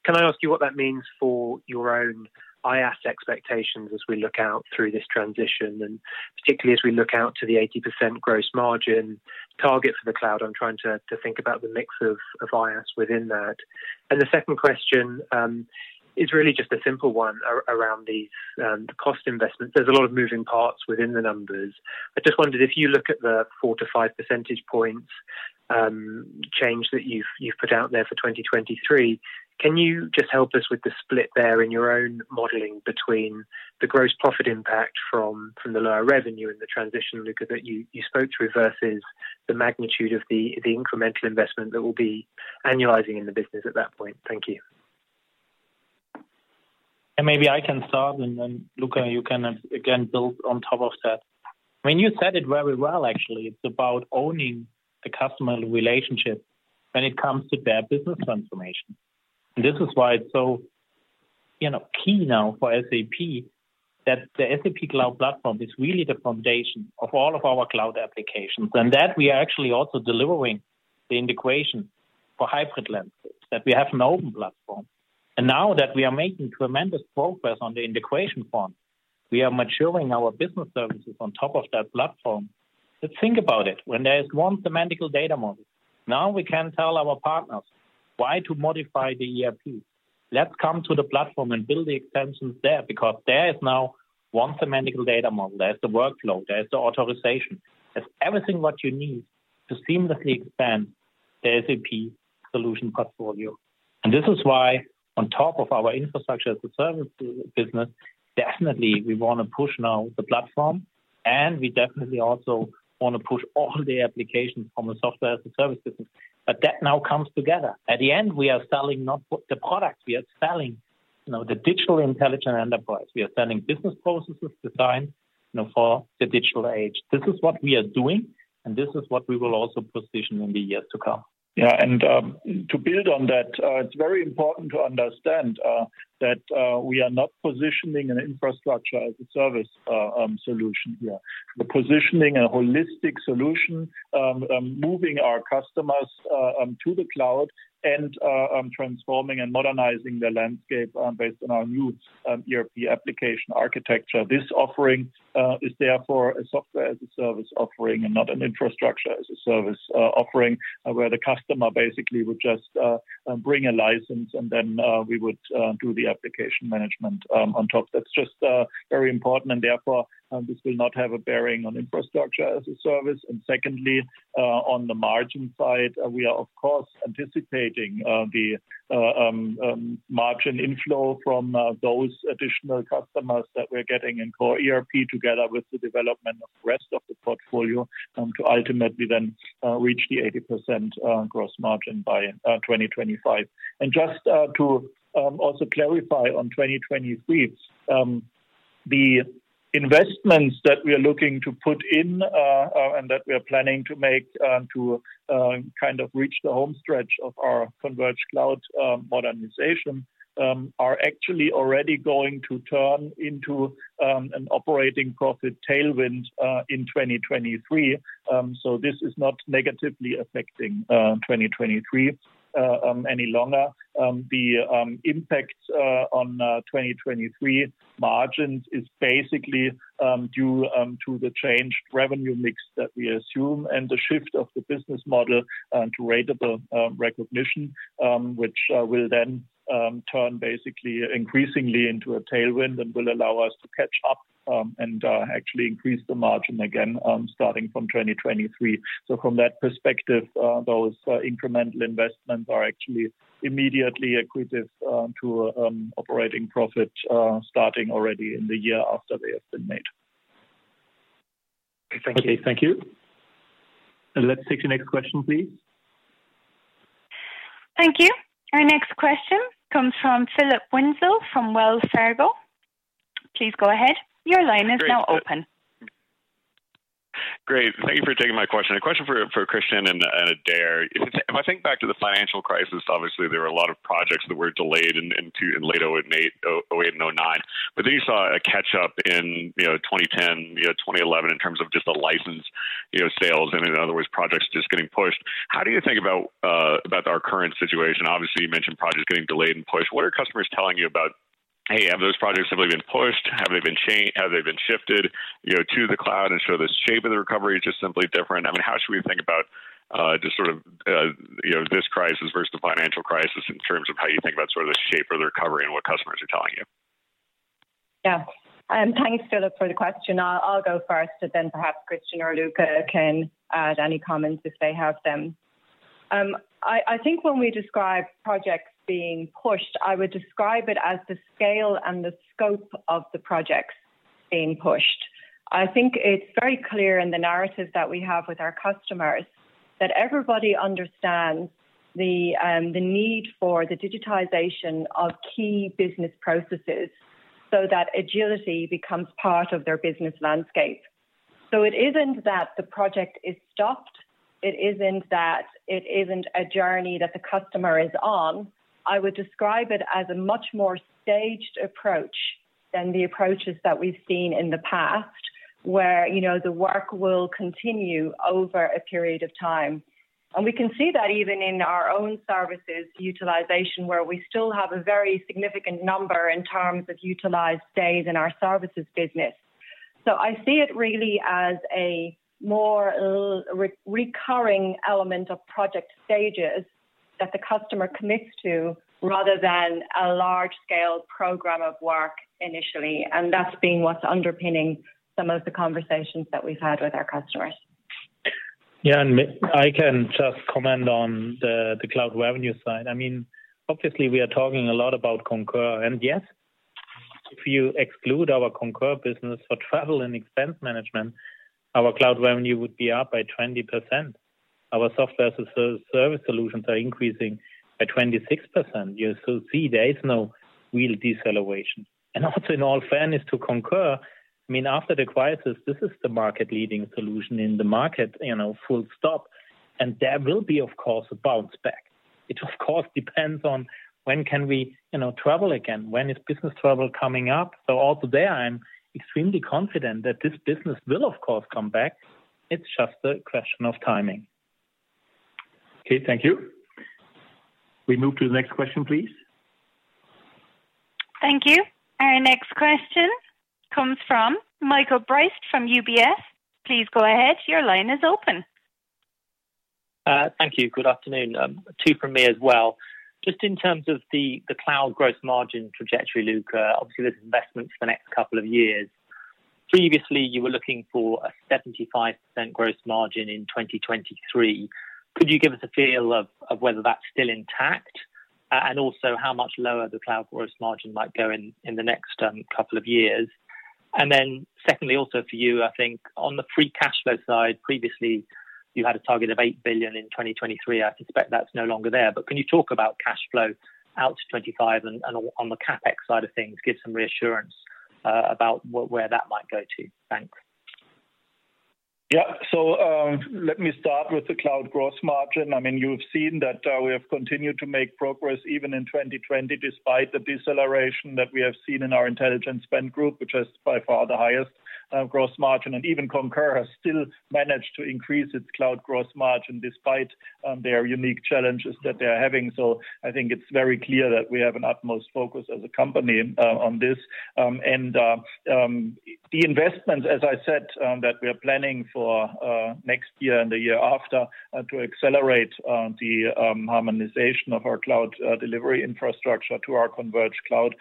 Can I ask you what that means for your own IaaS expectations as we look out through this transition, and particularly as we look out to the 80% gross margin target for the cloud? I'm trying to think about the mix of IaaS within that. The second question is really just a simple one around the cost investment. There's a lot of moving parts within the numbers. I just wondered if you look at the 4 to 5 percentage points change that you've put out there for 2023, can you just help us with the split there in your own modeling between the gross profit impact from the lower revenue in the transition, Luka, that you spoke to, versus the magnitude of the incremental investment that will be annualizing in the business at that point? Thank you. Maybe I can start, and then Luka, you can again build on top of that. You said it very well, actually. It's about owning the customer relationship when it comes to their business transformation. This is why it's so key now for SAP that the SAP Cloud Platform is really the foundation of all of our cloud applications, and that we are actually also delivering the integration for hybrid landscapes, that we have an open platform. Now that we are making tremendous progress on the integration front, we are maturing our business services on top of that platform. Think about it, when there is one semantical data model, now we can tell our partners why to modify the ERP. Let's come to the platform and build the extensions there, because there is now one semantical data model. There is the workflow, there is the authorization. There's everything what you need to seamlessly expand the SAP solution portfolio. This is why, on top of our Infrastructure as a Service business, definitely we want to push now the platform, and we definitely also want to push all the applications from a Software as a Service business. That now comes together. At the end, we are selling not the products, we are selling the digital intelligent enterprise. We are selling business processes designed for the digital age. This is what we are doing, and this is what we will also position in the years to come. To build on that, it's very important to understand that we are not positioning an Infrastructure as a Service solution here. We're positioning a holistic solution, moving our customers to the cloud, and transforming and modernizing their landscape based on our new ERP application architecture. This offering is therefore a Software as a Service offering and not an Infrastructure as a Service offering, where the customer basically would just bring a license and then we would do the application management on top. That's just very important. Therefore, this will not have a bearing on Infrastructure as a Service. Secondly, on the margin side, we are of course anticipating the margin inflow from those additional customers that we're getting in core ERP together with the development of the rest of the portfolio to ultimately then reach the 80% gross margin by 2025. Just to also clarify on 2023, the investments that we are looking to put in, and that we are planning to make to kind of reach the home stretch of our converged cloud modernization, are actually already going to turn into an operating profit tailwind in 2023. This is not negatively affecting 2023 any longer. The impact on 2023 margins is basically due to the changed revenue mix that we assume and the shift of the business model to ratable recognition, which will then turn basically increasingly into a tailwind and will allow us to catch up, and actually increase the margin again, starting from 2023. From that perspective, those incremental investments are actually immediately accretive to operating profit, starting already in the year after they have been made. Okay. Thank you. Okay. Thank you. Let's take the next question, please. Thank you. Our next question comes from Philip Winslow from Wells Fargo. Please go ahead. Great. Thank you for taking my question. A question for Christian and Adaire. If I think back to the financial crisis, obviously there were a lot of projects that were delayed in late 2008 and 2009. You saw a catch-up in 2010, 2011, in terms of just the license sales and in other words, projects just getting pushed. How do you think about our current situation? Obviously, you mentioned projects getting delayed and pushed. What are customers telling you about, hey, have those projects simply been pushed? Have they been shifted to the cloud and so the shape of the recovery is just simply different? I mean, how should we think about just sort of this crisis versus the financial crisis in terms of how you think about sort of the shape of the recovery and what customers are telling you? Yeah. Thanks, Philip, for the question. I'll go first, but then perhaps Christian or Luka can add any comments if they have them. I think when we describe projects being pushed, I would describe it as the scale and the scope of the projects being pushed. I think it's very clear in the narrative that we have with our customers that everybody understands the need for the digitization of key business processes so that agility becomes part of their business landscape. It isn't that the project is stopped. It isn't that it isn't a journey that the customer is on. I would describe it as a much more staged approach than the approaches that we've seen in the past, where the work will continue over a period of time. We can see that even in our own services utilization, where we still have a very significant number in terms of utilized days in our services business. I see it really as a more recurring element of project stages that the customer commits to rather than a large-scale program of work initially, and that's been what's underpinning some of the conversations that we've had with our customers. Yeah, I can just comment on the cloud revenue side. I mean, obviously we are talking a lot about Concur, and yes, if you exclude our Concur business for travel and expense management, our cloud revenue would be up by 20%. Our software service solutions are increasing by 26%. You still see there is no real deceleration. Also in all fairness to Concur, I mean, after the crisis, this is the market leading solution in the market, full stop. There will be, of course, a bounce back, which of course depends on when can we travel again, when is business travel coming up. Also there, I am extremely confident that this business will, of course, come back. It's just a question of timing. Okay, thank you. We move to the next question, please. Thank you. Our next question comes from Michael Briest from UBS. Please go ahead. Your line is open. Thank you. Good afternoon. Two from me as well. Just in terms of the cloud gross margin trajectory, Luka. There's investments for the next couple of years. Previously, you were looking for a 75% gross margin in 2023. Could you give us a feel of whether that's still intact? Also how much lower the cloud gross margin might go in the next couple of years? Secondly, also for you, I think on the free cash flow side, previously, you had a target of 8 billion in 2023. I suspect that's no longer there. Can you talk about cash flow out to 2025 and on the CapEx side of things, give some reassurance about where that might go to. Thanks. Yeah. Let me start with the cloud gross margin. You've seen that we have continued to make progress even in 2020, despite the deceleration that we have seen in our intelligent spend group, which is by far the highest gross margin. Even Concur has still managed to increase its cloud gross margin despite their unique challenges that they're having. I think it's very clear that we have an utmost focus as a company on this. The investment, as I said, that we are planning for next year and the year after, to accelerate the harmonization of our cloud delivery infrastructure to our converged cloud.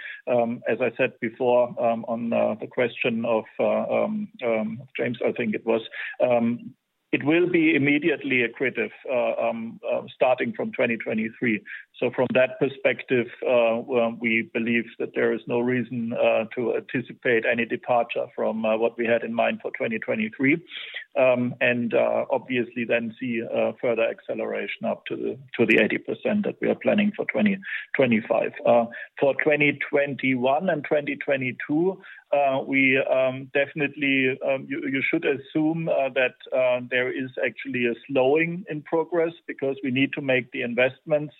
As I said before on the question of James, I think it was. It will be immediately accretive starting from 2023. From that perspective, we believe that there is no reason to anticipate any departure from what we had in mind for 2023. Obviously then see a further acceleration up to the 80% that we are planning for 2025. For 2021 and 2022, you should assume that there is actually a slowing in progress because we need to make the investments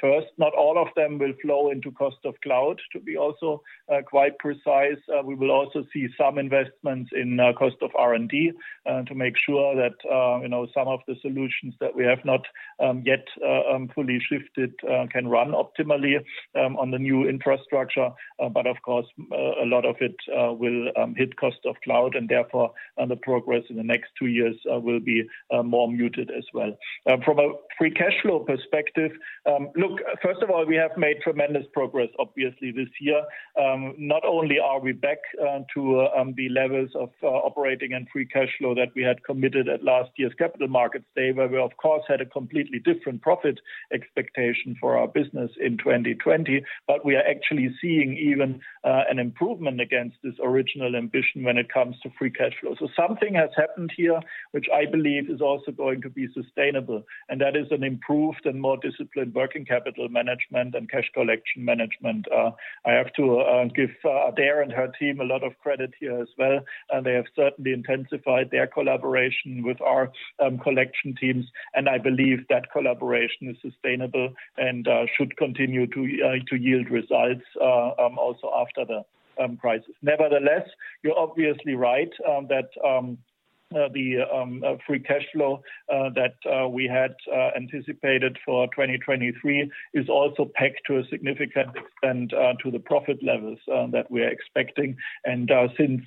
first. Not all of them will flow into cost of cloud to be also quite precise. We will also see some investments in cost of R&D to make sure that some of the solutions that we have not yet fully shifted can run optimally on the new infrastructure. Of course, a lot of it will hit cost of cloud, and therefore the progress in the next two years will be more muted as well. From a free cash flow perspective. First of all, we have made tremendous progress, obviously, this year. Not only are we back to the levels of operating and free cash flow that we had committed at last year's Capital Markets Day, where we of course, had a completely different profit expectation for our business in 2020. We are actually seeing even an improvement against this original ambition when it comes to free cash flow. Something has happened here, which I believe is also going to be sustainable, and that is an improved and more disciplined working capital management and cash collection management. I have to give Adaire and her team a lot of credit here as well. They have certainly intensified their collaboration with our collection teams, and I believe that collaboration is sustainable and should continue to yield results also after the crisis. Nevertheless, you're obviously right that the free cash flow that we had anticipated for 2023 is also pegged to a significant extent to the profit levels that we're expecting. Since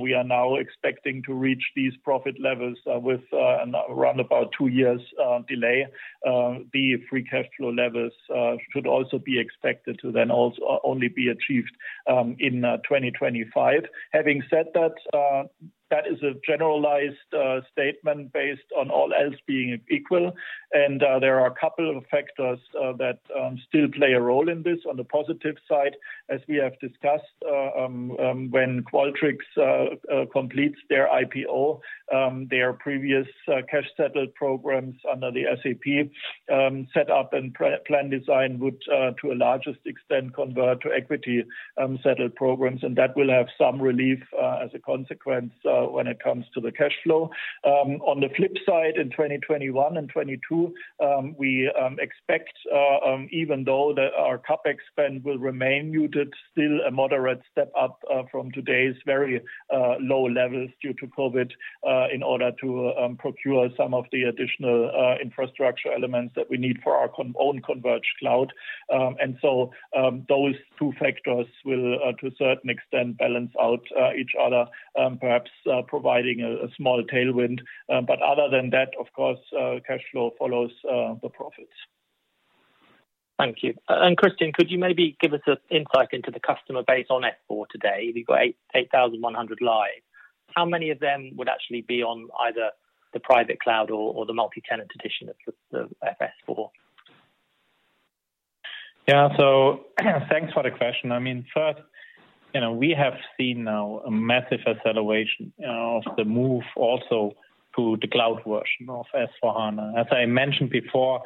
we are now expecting to reach these profit levels with around about two years delay, the free cash flow levels should also be expected to then only be achieved in 2025. Having said that is a generalized statement based on all else being equal. There are a couple of factors that still play a role in this. On the positive side, as we have discussed, when Qualtrics completes their IPO, their previous cash settled programs under the SAP setup and plan design would to a largest extent convert to equity settled programs. That will have some relief as a consequence when it comes to the cash flow. On the flip side, in 2021 and 2022, we expect even though that our CapEx spend will remain muted, still a moderate step up from today's very low levels due to COVID in order to procure some of the additional infrastructure elements that we need for our own converged cloud. Those two factors will to a certain extent balance out each other perhaps providing a small tailwind. Other than that, of course, cash flow follows the profits. Thank you. Christian, could you maybe give us an insight into the customer base on S/4 today? We've got 8,100 live. How many of them would actually be on either the private cloud or the multi-tenant edition of the S/4? Thanks for the question. First, we have seen now a massive acceleration of the move also to the cloud version of S/4HANA. As I mentioned before,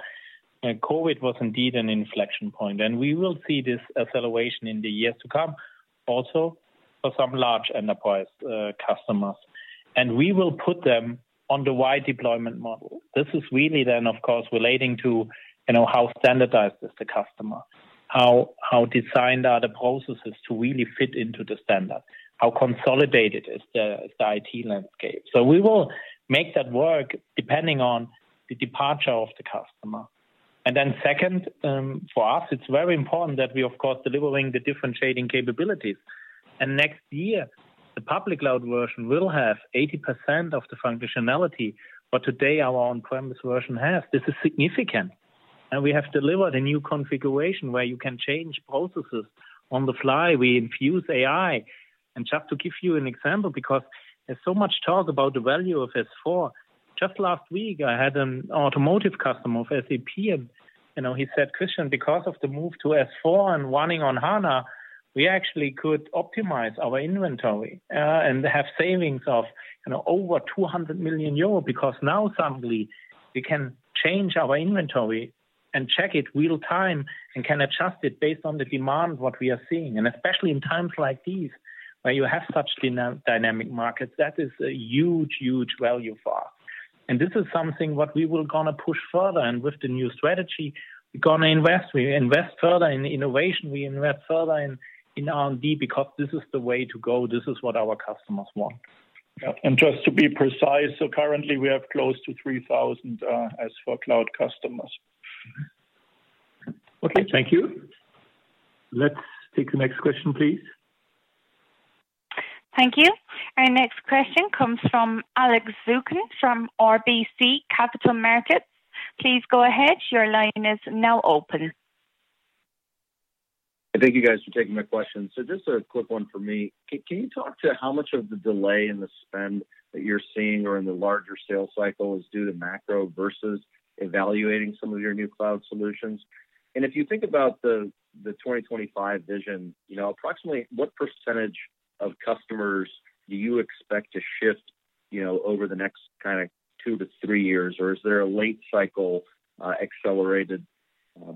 COVID was indeed an inflection point. We will see this acceleration in the years to come also for some large enterprise customers. We will put them on the wide deployment model. This is really, of course, relating to how standardized is the customer. How designed are the processes to really fit into the standard? How consolidated is the IT landscape? We will make that work depending on the departure of the customer. Second, for us, it's very important that we are of course delivering the differentiating capabilities. Next year, the public cloud version will have 80% of the functionality. Today, our on-premise version has. This is significant. We have delivered a new configuration where you can change processes on the fly. We infuse AI. Just to give you an example, because there's so much talk about the value of S/4. Just last week, I had an automotive customer of SAP, and he said, "Christian, because of the move to S/4 and running on HANA, we actually could optimize our inventory, and have savings of over 200 million euro because now suddenly we can change our inventory and check it real time, and can adjust it based on the demand, what we are seeing." Especially in times like these, where you have such dynamic markets, that is a huge value for us. This is something what we will going to push further. With the new strategy, we're going to invest. We invest further in innovation. We invest further in R&D because this is the way to go. This is what our customers want. Yeah. Just to be precise, currently we have close to 3,000 S/4 cloud customers. Okay, thank you. Let's take the next question, please. Thank you. Our next question comes from Alex Zukin from RBC Capital Markets. Please go ahead. Thank you guys for taking my question. Just a quick one for me. Can you talk to how much of the delay in the spend that you're seeing or in the larger sales cycle is due to macro versus evaluating some of your new cloud solutions? If you think about the 2025 vision, approximately what percentage of customers do you expect to shift over the next two to three years? Is there a late cycle, accelerated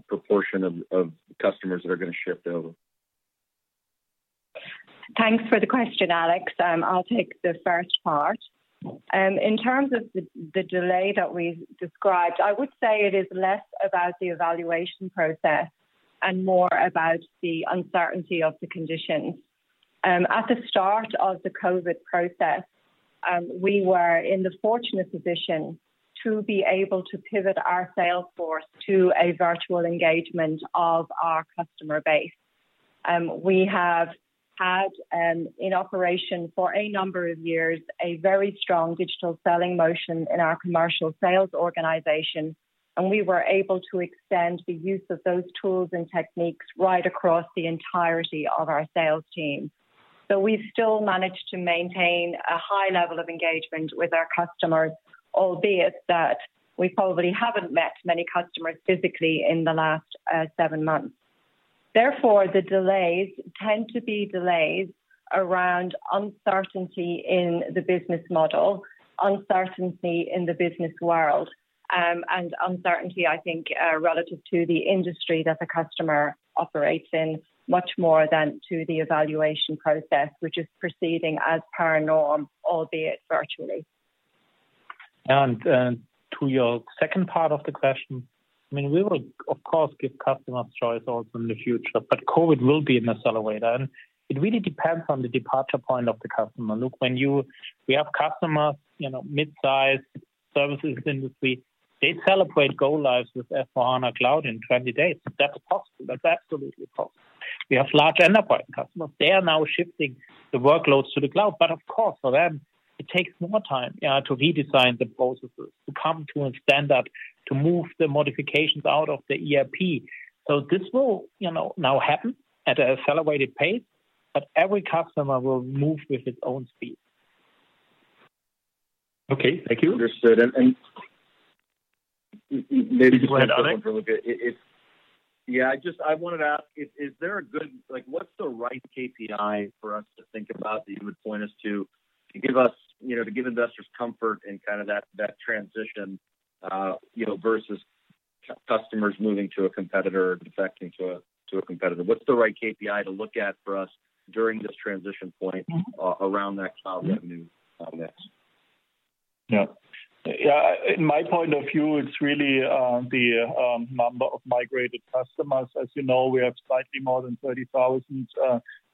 proportion of customers that are going to shift over? Thanks for the question, Alex. I'll take the first part. In terms of the delay that we described, I would say it is less about the evaluation process and more about the uncertainty of the conditions. At the start of the COVID process, we were in the fortunate position to be able to pivot our sales force to a virtual engagement of our customer base. We have had in operation for a number of years, a very strong digital selling motion in our commercial sales organization, and we were able to extend the use of those tools and techniques right across the entirety of our sales team. We've still managed to maintain a high level of engagement with our customers, albeit that we probably haven't met many customers physically in the last seven months. The delays tend to be delays around uncertainty in the business model, uncertainty in the business world, and uncertainty, I think, relative to the industry that the customer operates in much more than to the evaluation process, which is proceeding as per norm, albeit virtually. To your second part of the question, we will of course give customers choice also in the future, but COVID will be an accelerator. It really depends on the departure point of the customer. Look, when we have customers, midsize services industry, they celebrate go lives with S/4HANA Cloud in 20 days. That's possible. That's absolutely possible. We have large enterprise customers. They are now shifting the workloads to the cloud. Of course, for them, it takes more time, yeah, to redesign the processes, to come to a standard, to move the modifications out of the ERP. This will now happen at an accelerated pace, but every customer will move with its own speed. Okay. Thank you. Understood. Please go ahead, Alex. One other for Luka. Yeah, I wanted to ask, what's the right KPI for us to think about that you would point us to give investors comfort in that transition, versus customers moving to a competitor or defecting to a competitor? What's the right KPI to look at for us during this transition point around that cloud revenue mix? Yeah. In my point of view, it's really the number of migrated customers. As you know, we have slightly more than 30,000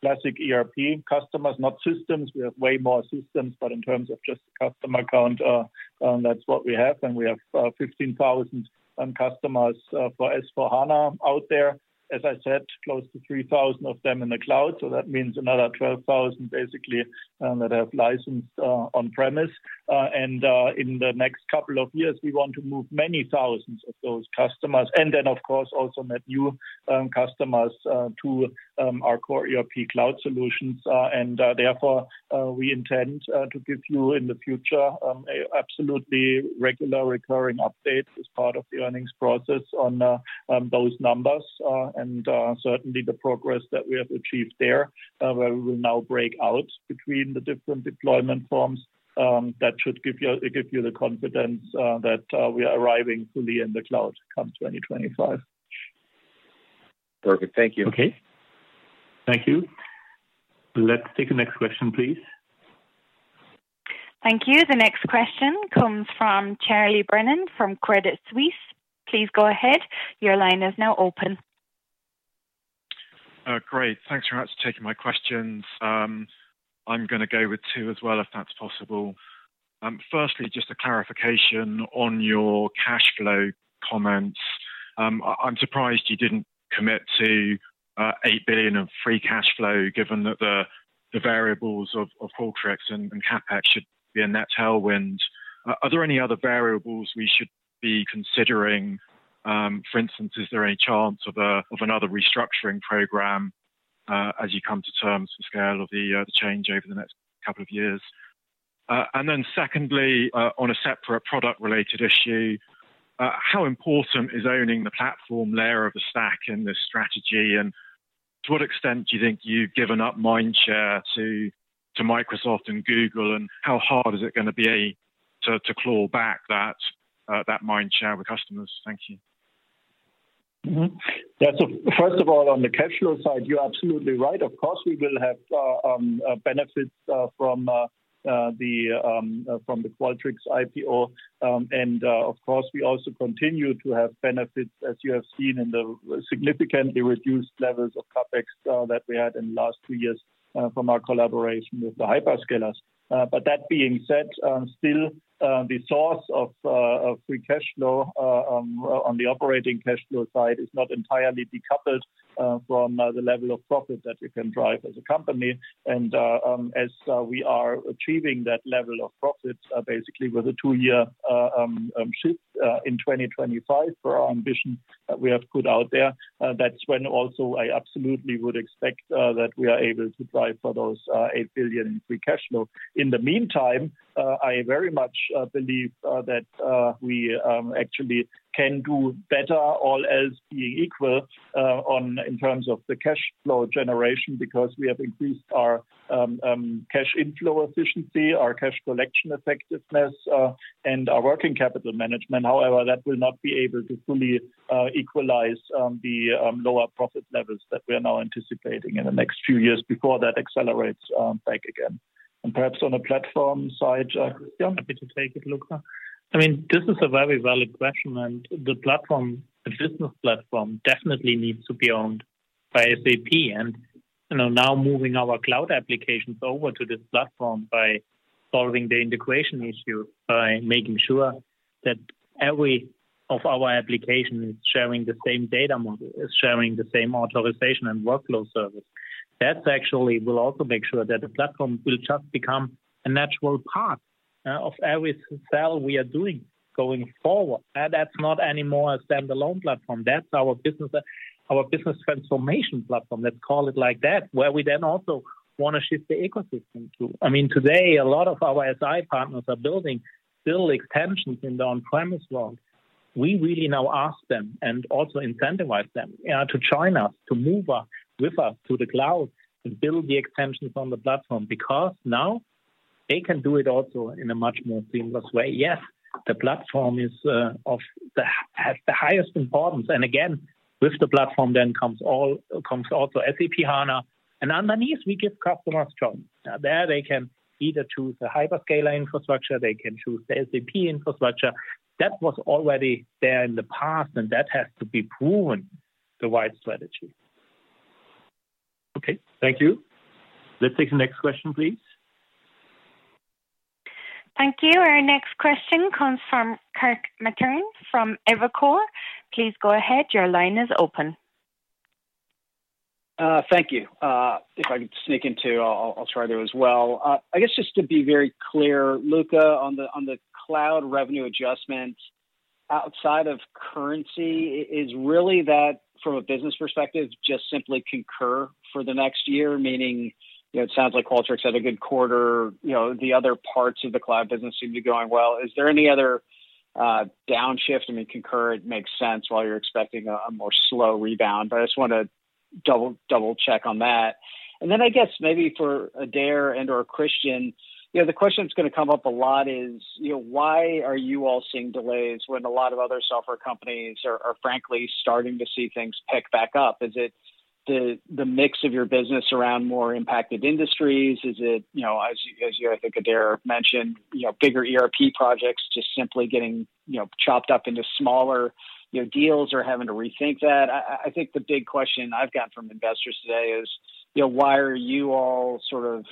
classic ERP customers, not systems. We have way more systems, but in terms of just customer count, that's what we have. We have 15,000 customers for S/4HANA out there. As I said, close to 3,000 of them in the cloud. That means another 12,000 basically, that have licensed on-premise. In the next couple of years, we want to move many thousands of those customers. Then of course also net new customers to our core ERP cloud solutions. Therefore, we intend to give you in the future, absolutely regular recurring updates as part of the earnings process on those numbers, and certainly the progress that we have achieved there, where we will now break out between the different deployment forms. That should give you the confidence that we are arriving fully in the cloud come 2025. Perfect. Thank you. Okay. Thank you. Let's take the next question, please. Thank you. The next question comes from Charlie Brennan from Credit Suisse. Please go ahead. Great. Thanks very much for taking my questions. I am going to go with two as well, if that's possible. Firstly, just a clarification on your cash flow comments. I am surprised you didn't commit to 8 billion of free cash flow given that the variables of Qualtrics and CapEx should be a net tailwind. Are there any other variables we should be considering? For instance, is there any chance of another restructuring program as you come to terms with scale of the change over the next couple of years? Secondly, on a separate product-related issue, how important is owning the platform layer of the stack in this strategy, and to what extent do you think you've given up mind share to Microsoft and Google, and how hard is it going to be to claw back that mind share with customers? Thank you. First of all, on the cash flow side, you're absolutely right. Of course, we will have benefits from the Qualtrics IPO. Of course, we also continue to have benefits, as you have seen in the significantly reduced levels of CapEx that we had in the last two years from our collaboration with the hyperscalers. That being said, still the source of free cash flow on the operating cash flow side is not entirely decoupled from the level of profit that we can drive as a company. As we are achieving that level of profit, basically with a two year shift in 2025 for our ambition that we have put out there, that's when also I absolutely would expect that we are able to drive for those 8 billion in free cash flow. In the meantime, I very much believe that we actually can do better, all else being equal, in terms of the cash flow generation because we have increased our cash inflow efficiency, our cash collection effectiveness, and our working capital management. However, that will not be able to fully equalize the lower profit levels that we are now anticipating in the next few years before that accelerates back again. Perhaps on the platform side, Christian? Happy to take it, Luka. This is a very valid question. The business platform definitely needs to be owned by SAP. Now moving our cloud applications over to this platform by solving the integration issue, by making sure that every of our application is sharing the same data model, is sharing the same authorization and workflow service. That actually will also make sure that the platform will just become a natural part of every sale we are doing going forward. That's not anymore a standalone platform. That's our business transformation platform, let's call it like that, where we then also want to shift the ecosystem to. Today, a lot of our SI partners are building still extensions in the on-premise world. We really now ask them, and also incentivize them, to join us, to move with us to the cloud and build the extensions on the platform because now they can do it also in a much more seamless way. Yes, the platform has the highest importance, again, with the platform then comes also SAP HANA. Underneath, we give customers choice. There they can either choose a hyperscaler infrastructure, they can choose the SAP infrastructure. That was already there in the past, and that has to be proven the right strategy. Okay. Thank you. Let's take the next question, please. Thank you. Our next question comes from Kirk Materne from Evercore. Please go ahead. Your line is open. Thank you. If I could sneak in two, I'll try those as well. I guess just to be very clear, Luka, on the cloud revenue adjustment, outside of currency, is really that from a business perspective, just simply Concur for the next year? Meaning, it sounds like Qualtrics had a good quarter. The other parts of the cloud business seem to be going well. Is there any other downshift? I mean, Concur makes sense while you're expecting a more slow rebound. I just want to double-check on that. I guess maybe for Adaire and/or Christian, the question that's going to come up a lot is, why are you all seeing delays when a lot of other software companies are frankly starting to see things pick back up? Is it the mix of your business around more impacted industries? Is it, as I think Adaire mentioned, bigger ERP projects just simply getting chopped up into smaller deals or having to rethink that? I think the big question I've got from investors today is, why are you all sort of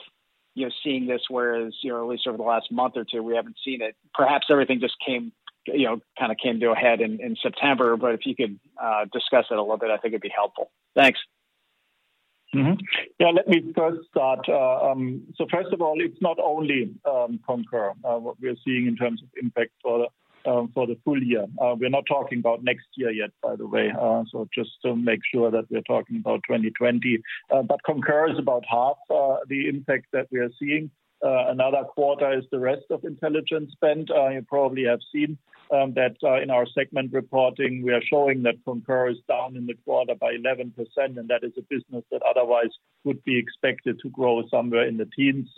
seeing this, whereas at least over the last month or two, we haven't seen it? Perhaps everything just kind of came to a head in September, but if you could discuss it a little bit, I think it'd be helpful. Thanks. Yeah. Let me first start. First of all, it's not only Concur, what we are seeing in terms of impact for the full year. We're not talking about next year yet, by the way. Just to make sure that we're talking about 2020. Concur is about half the impact that we are seeing. Another quarter is the rest of intelligent spend. You probably have seen that in our segment reporting, we are showing that Concur is down in the quarter by 11%, and that is a business that otherwise would be expected to grow somewhere in the teens.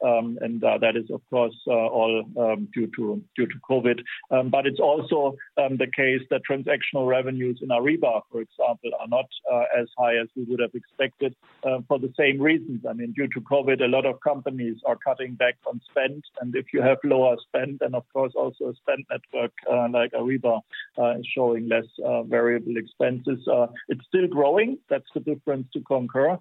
That is, of course, all due to COVID. It's also the case that transactional revenues in Ariba, for example, are not as high as we would have expected for the same reasons. I mean, due to COVID-19, a lot of companies are cutting back on spend. If you have lower spend, of course also a spend network like Ariba is showing less variable expenses. It's still growing. That's the difference to Concur.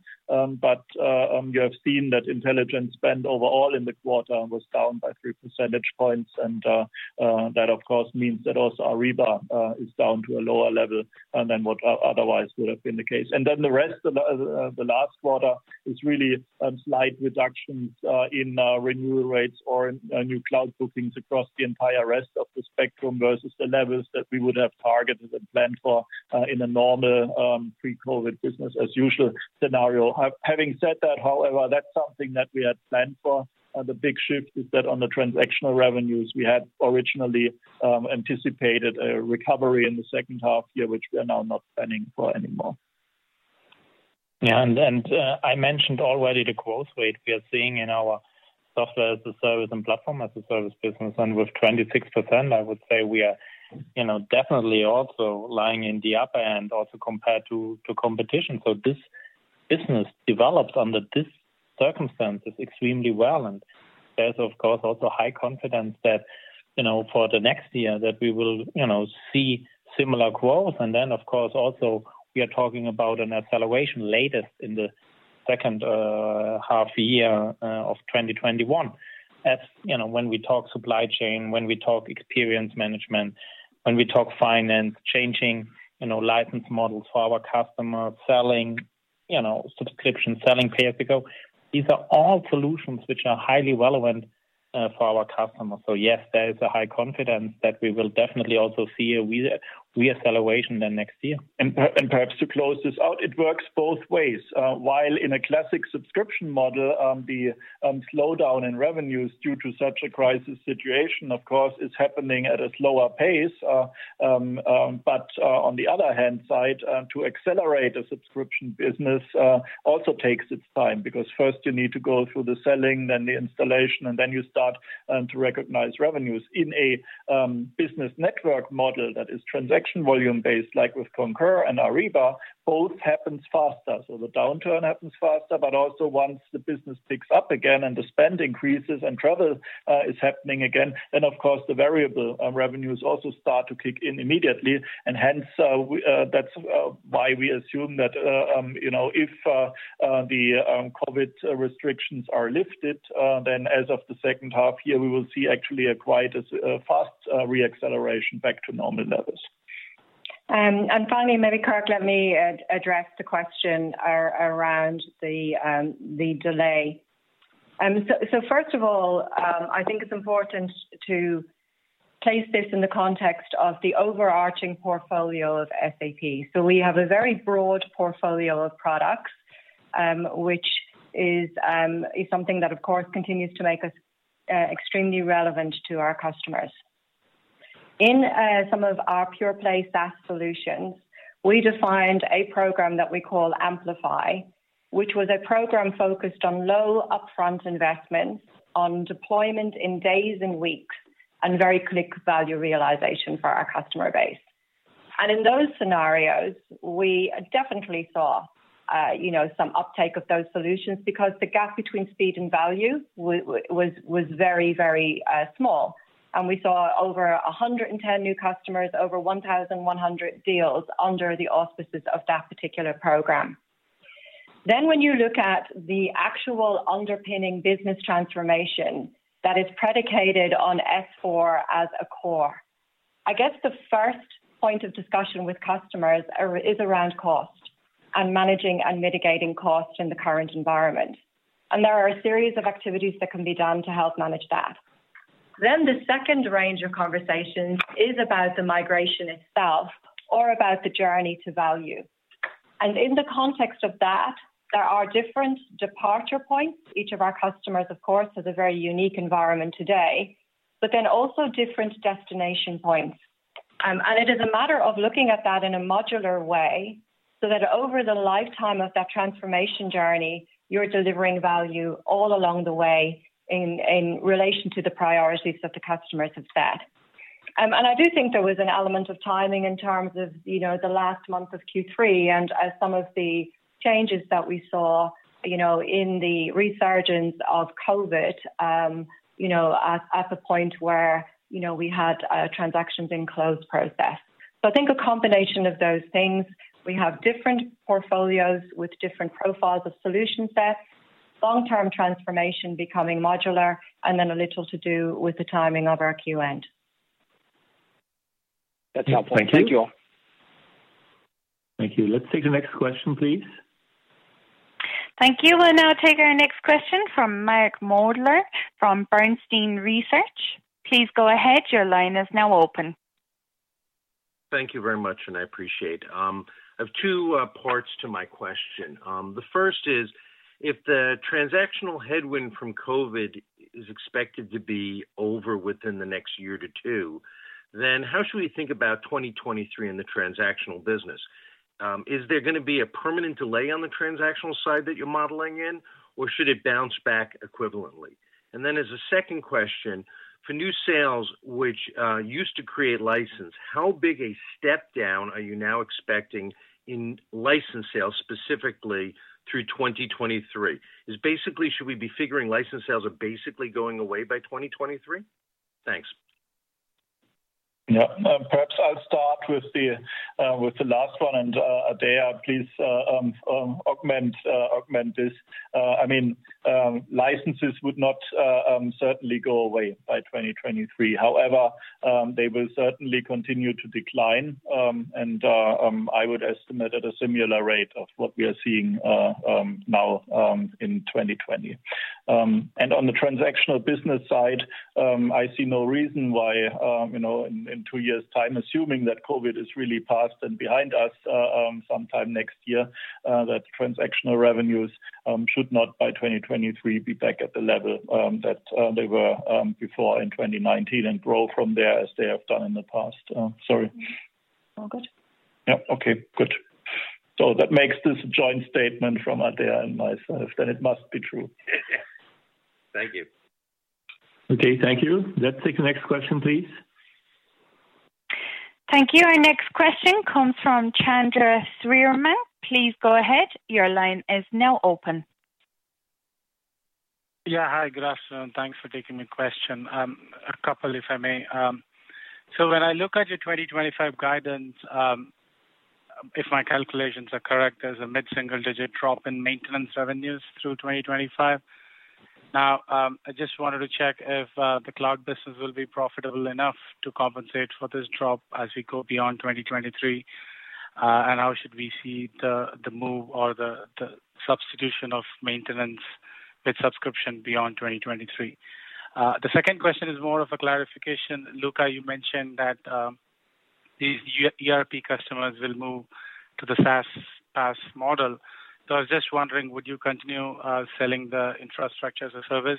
You have seen that intelligent spend overall in the quarter was down by 3 percentage points. That of course means that also Ariba is down to a lower level than what otherwise would have been the case. The rest of the last quarter is really a slight reduction in renewal rates or in new cloud bookings across the entire rest of the spectrum versus the levels that we would have targeted and planned for in a normal pre-COVID-19 business as usual scenario. Having said that, however, that's something that we had planned for. The big shift is that on the transactional revenues, we had originally anticipated a recovery in the second half year, which we are now not planning for anymore. I mentioned already the growth rate we are seeing in our Software as a Service and Platform as a Service business. With 26%, I would say we are definitely also lying in the upper end also compared to competition. This business develops under these circumstances extremely well. There's, of course, also high confidence that for the next year that we will see similar growth. Then, of course, also we are talking about an acceleration latest in the second half year of 2021. When we talk supply chain, when we talk experience management, when we talk finance, changing license models for our customers, selling subscriptions, selling pay as you go, these are all solutions which are highly relevant for our customers. Yes, there is a high confidence that we will definitely also see a re-acceleration then next year. Perhaps to close this out, it works both ways. While in a classic subscription model, the slowdown in revenues due to such a crisis situation, of course, is happening at a slower pace. On the other hand side, to accelerate a subscription business also takes its time, because first you need to go through the selling, then the installation, and then you start to recognize revenues. In a business network model that is transaction volume based, like with Concur and Ariba, both happens faster. The downturn happens faster, but also once the business picks up again and the spend increases and travel is happening again, then of course the variable revenues also start to kick in immediately. Hence, that's why we assume that if the COVID restrictions are lifted, then as of the second half year, we will see actually a quite a fast re-acceleration back to normal levels. Finally, maybe, Kirk, let me address the question around the delay. First of all, I think it's important to place this in the context of the overarching portfolio of SAP. We have a very broad portfolio of products, which is something that, of course, continues to make us extremely relevant to our customers. In some of our pure play SaaS solutions, we defined a program that we call Amplify, which was a program focused on low upfront investments, on deployment in days and weeks, and very quick value realization for our customer base. In those scenarios, we definitely saw some uptake of those solutions because the gap between speed and value was very small. We saw over 110 new customers, over 1,100 deals under the auspices of that particular program. When you look at the actual underpinning business transformation that is predicated on S/4 as a core, I guess the first point of discussion with customers is around cost and managing and mitigating cost in the current environment. There are a series of activities that can be done to help manage that. The second range of conversations is about the migration itself or about the journey to value. In the context of that, there are different departure points. Each of our customers, of course, has a very unique environment today, but then also different destination points. It is a matter of looking at that in a modular way, so that over the lifetime of that transformation journey, you're delivering value all along the way in relation to the priorities that the customers have set. I do think there was an element of timing in terms of the last month of Q3 and some of the changes that we saw in the resurgence of COVID at the point where we had transactions in closed process. I think a combination of those things, we have different portfolios with different profiles of solution sets, long-term transformation becoming modular, and then a little to do with the timing of our Q end. That's helpful. Thank you. Thank you. Thank you. Let's take the next question, please. Thank you. We'll now take our next question from Mark Moerdler from Bernstein Research. Please go ahead. Your line is now open. Thank you very much, and I appreciate. I have two parts to my question. The first is, if the transactional headwind from COVID-19 is expected to be over within the next one year to two, how should we think about 2023 in the transactional business? Is there going to be a permanent delay on the transactional side that you're modeling in, or should it bounce back equivalently? As a second question, for new sales which used to create license, how big a step down are you now expecting in license sales specifically through 2023? Should we be figuring license sales are basically going away by 2023? Thanks. Yeah. Perhaps I'll start with the last one, and Adaire, please augment this. Licenses would not certainly go away by 2023. However, they will certainly continue to decline, and I would estimate at a similar rate of what we are seeing now in 2020. On the transactional business side, I see no reason why in two years' time, assuming that COVID-19 is really passed and behind us sometime next year, that transactional revenues should not by 2023 be back at the level that they were before in 2019 and grow from there as they have done in the past. Sorry. All good. Yeah. Okay, good. That makes this a joint statement from Adaire and myself, then it must be true. Thank you. Okay, thank you. Let's take the next question, please. Thank you. Our next question comes from Chandra Sriraman. Please go ahead. Hi, good afternoon. Thanks for taking the question. A couple, if I may. When I look at your 2025 guidance, if my calculations are correct, there is a mid-single-digit drop in maintenance revenues through 2025. I just wanted to check if the cloud business will be profitable enough to compensate for this drop as we go beyond 2023. How should we see the move or the substitution of maintenance with subscription beyond 2023? The second question is more of a clarification. Luka, you mentioned that these ERP customers will move to the SaaS/PaaS model. I was just wondering, would you continue selling the IaaS,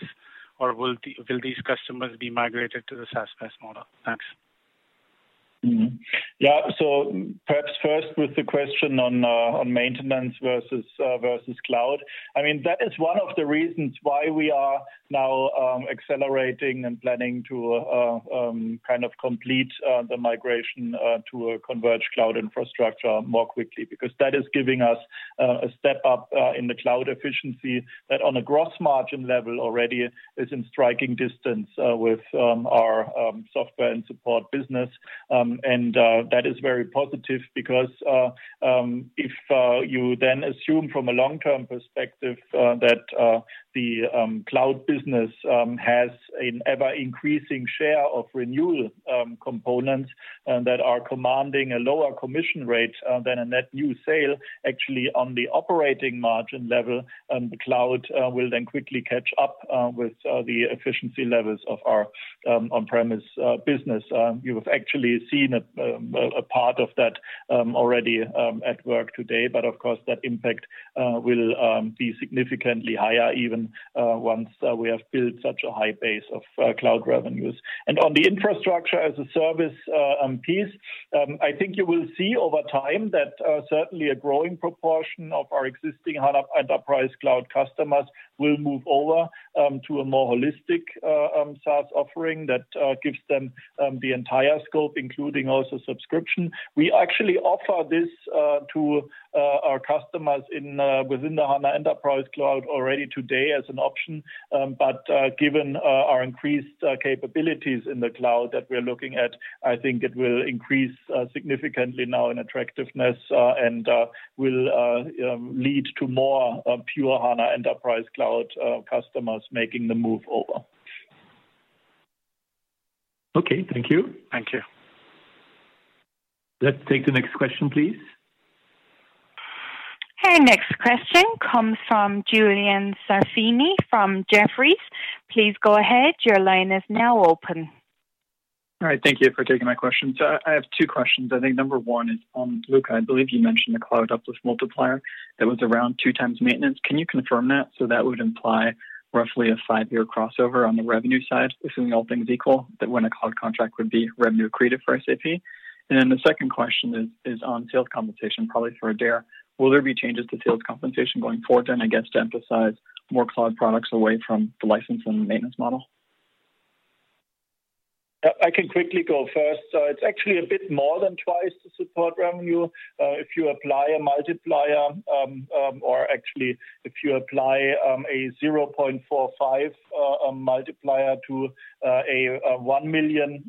or will these customers be migrated to the SaaS/PaaS model? Thanks. Yeah. Perhaps first with the question on maintenance versus cloud. That is one of the reasons why we are now accelerating and planning to complete the migration to a converged cloud infrastructure more quickly, because that is giving us a step up in the cloud efficiency that on a gross margin level already is in striking distance with our software and support business. That is very positive because, if you then assume from a long-term perspective that the cloud business has an ever-increasing share of renewal components that are commanding a lower commission rate than a net new sale, actually, on the operating margin level, the cloud will then quickly catch up with the efficiency levels of our on-premise business. You have actually seen a part of that already at work today. Of course, that impact will be significantly higher even once we have built such a high base of cloud revenues. On the infrastructure-as-a-service piece, I think you will see over time that certainly a growing proportion of our existing HANA Enterprise Cloud customers will move over to a more holistic SaaS offering that gives them the entire scope, including also subscription. We actually offer this to our customers within the HANA Enterprise Cloud already today as an option. Given our increased capabilities in the cloud that we're looking at, I think it will increase significantly now in attractiveness, and will lead to more pure HANA Enterprise Cloud customers making the move over. Okay. Thank you. Thank you. Let's take the next question, please. Okay, next question comes from Julian Serafini from Jefferies. All right. Thank you for taking my question. I have two questions. I think number one is on, Luka, I believe you mentioned the cloud uplift multiplier that was around two times maintenance. Can you confirm that? That would imply roughly a five year crossover on the revenue side, assuming all things equal, that when a cloud contract would be revenue accretive for SAP. The second question is on sales compensation, probably for Adaire. Will there be changes to sales compensation going forward then, I guess, to emphasize more cloud products away from the license and maintenance model? I can quickly go first. It's actually a bit more than twice the support revenue. If you apply a multiplier, or actually if you apply a 0.45 multiplier to a 1 million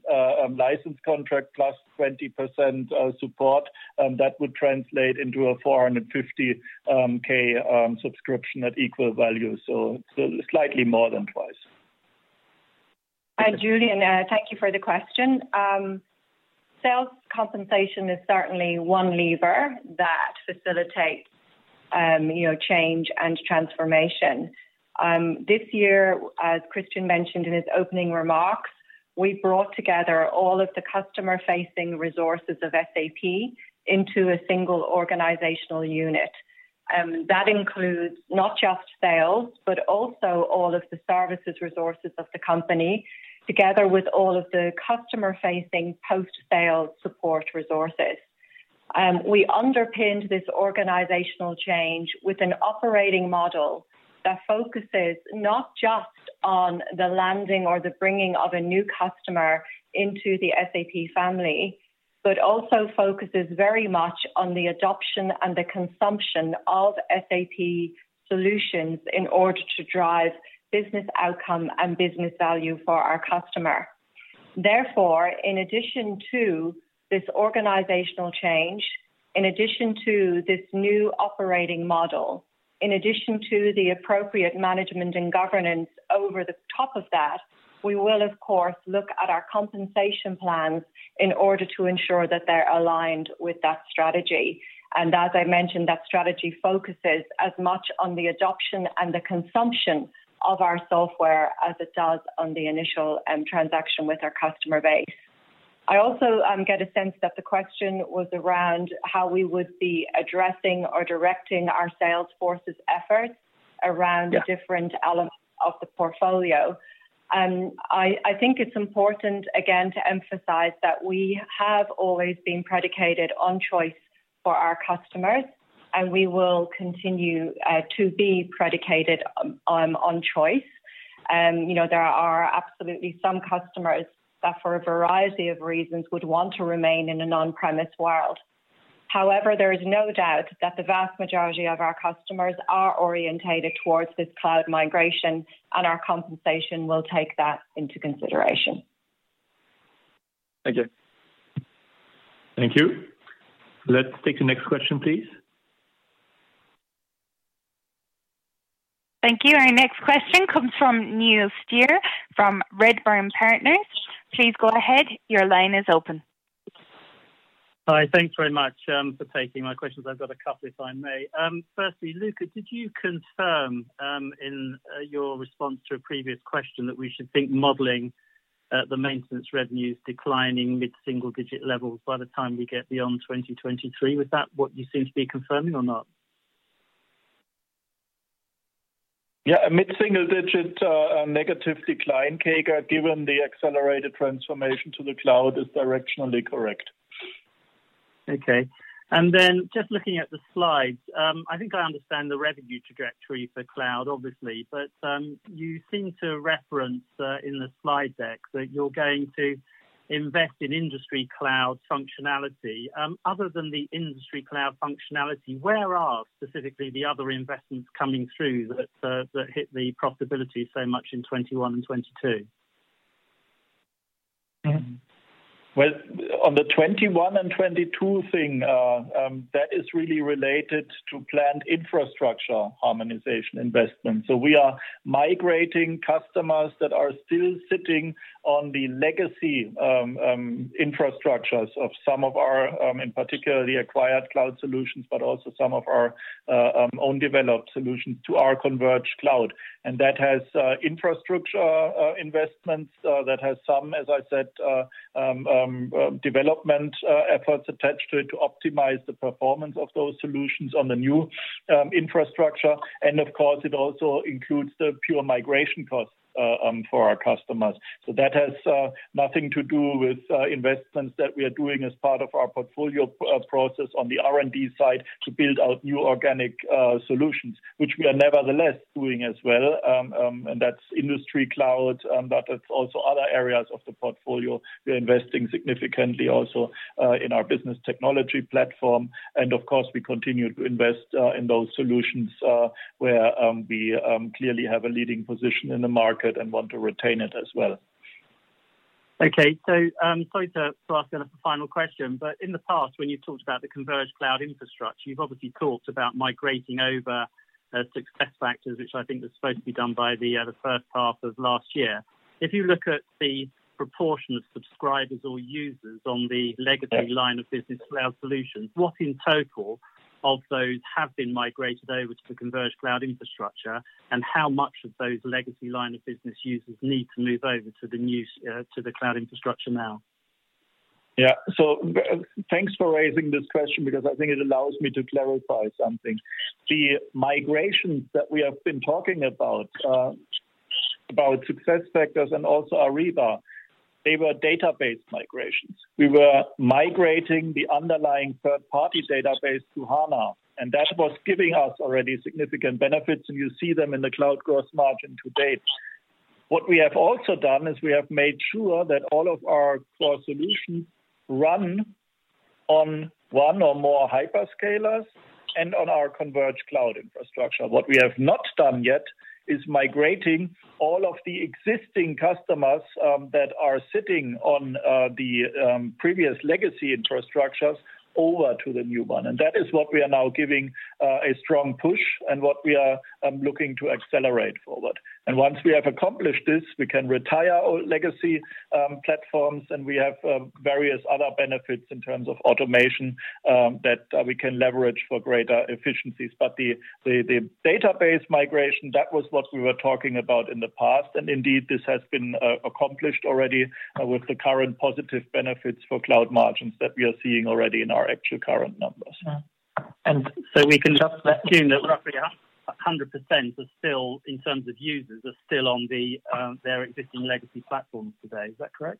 license contract +20% support, that would translate into a 450K subscription at equal value. Slightly more than twice. Hi, Julian. Thank you for the question. Sales compensation is certainly one lever that facilitates change and transformation. This year, as Christian mentioned in his opening remarks, we brought together all of the customer-facing resources of SAP into a single organizational unit. That includes not just sales, but also all of the services resources of the company, together with all of the customer-facing post-sale support resources. We underpinned this organizational change with an operating model that focuses not just on the landing or the bringing of a new customer into the SAP family, but also focuses very much on the adoption and the consumption of SAP solutions in order to drive business outcome and business value for our customer. Therefore, in addition to this organizational change, in addition to this new operating model, in addition to the appropriate management and governance over the top of that, we will of course look at our compensation plans in order to ensure that they are aligned with that strategy. As I mentioned, that strategy focuses as much on the adoption and the consumption of our software as it does on the initial transaction with our customer base. I also get a sense that the question was around how we would be addressing or directing our sales force's efforts around different elements of the portfolio. I think it's important, again, to emphasize that we have always been predicated on choice for our customers, and we will continue to be predicated on choice. There are absolutely some customers that, for a variety of reasons, would want to remain in an on-premise world. However, there is no doubt that the vast majority of our customers are orientated towards this cloud migration, and our compensation will take that into consideration. Thank you. Thank you. Let's take the next question, please. Thank you. Our next question comes from Neil Steer from Redburn Partners. Please go ahead. Your line is open. Hi. Thanks very much for taking my questions. I've got a couple, if I may. Firstly, Luka, could you confirm in your response to a previous question that we should think modeling the maintenance revenues declining mid-single digit levels by the time we get beyond 2023? Was that what you seem to be confirming or not? Yeah. A mid-single digit negative decline, given the accelerated transformation to the cloud, is directionally correct. Okay. Just looking at the slides. I think I understand the revenue trajectory for cloud, obviously, but, you seem to reference in the slide deck that you're going to invest in Industry Cloud functionality. Other than the Industry Cloud functionality, where are specifically the other investments coming through that hit the profitability so much in 2021 and 2022? Well, on the 2021 and 2022 thing, that is really related to planned infrastructure harmonization investment. We are migrating customers that are still sitting on the legacy infrastructures of some of our, in particular, the acquired cloud solutions, but also some of our own developed solutions to our converged cloud. That has infrastructure investments that has some, as I said, development efforts attached to it to optimize the performance of those solutions on the new infrastructure. Of course, it also includes the pure migration costs for our customers. That has nothing to do with investments that we are doing as part of our portfolio process on the R&D side to build out new organic solutions, which we are nevertheless doing as well. That's Industry Cloud, but it's also other areas of the portfolio. We're investing significantly also in our SAP Business Technology Platform. Of course, we continue to invest in those solutions, where we clearly have a leading position in the market and want to retain it as well. Okay. Sorry to ask a final question, but in the past, when you've talked about the converged cloud infrastructure, you've obviously talked about migrating over SuccessFactors, which I think was supposed to be done by the first half of last year. If you look at the proportion of subscribers or users on the legacy line of business cloud solutions, what in total of those have been migrated over to the converged cloud infrastructure? How much of those legacy line of business users need to move over to the cloud infrastructure now? Yeah. Thanks for raising this question because I think it allows me to clarify something. The migrations that we have been talking about SuccessFactors and also Ariba, they were database migrations. We were migrating the underlying third-party database to HANA, and that was giving us already significant benefits, and you see them in the cloud gross margin to date. What we have also done is we have made sure that all of our core solutions run on one or more hyperscalers and on our converged cloud infrastructure. What we have not done yet is migrating all of the existing customers that are sitting on the previous legacy infrastructures over to the new one. That is what we are now giving a strong push and what we are looking to accelerate forward. Once we have accomplished this, we can retire all legacy platforms, and we have various other benefits in terms of automation that we can leverage for greater efficiencies. The database migration, that was what we were talking about in the past. Indeed, this has been accomplished already with the current positive benefits for cloud margins that we are seeing already in our actual current numbers. We can just assume that roughly 100%, in terms of users, are still on their existing legacy platforms today. Is that correct?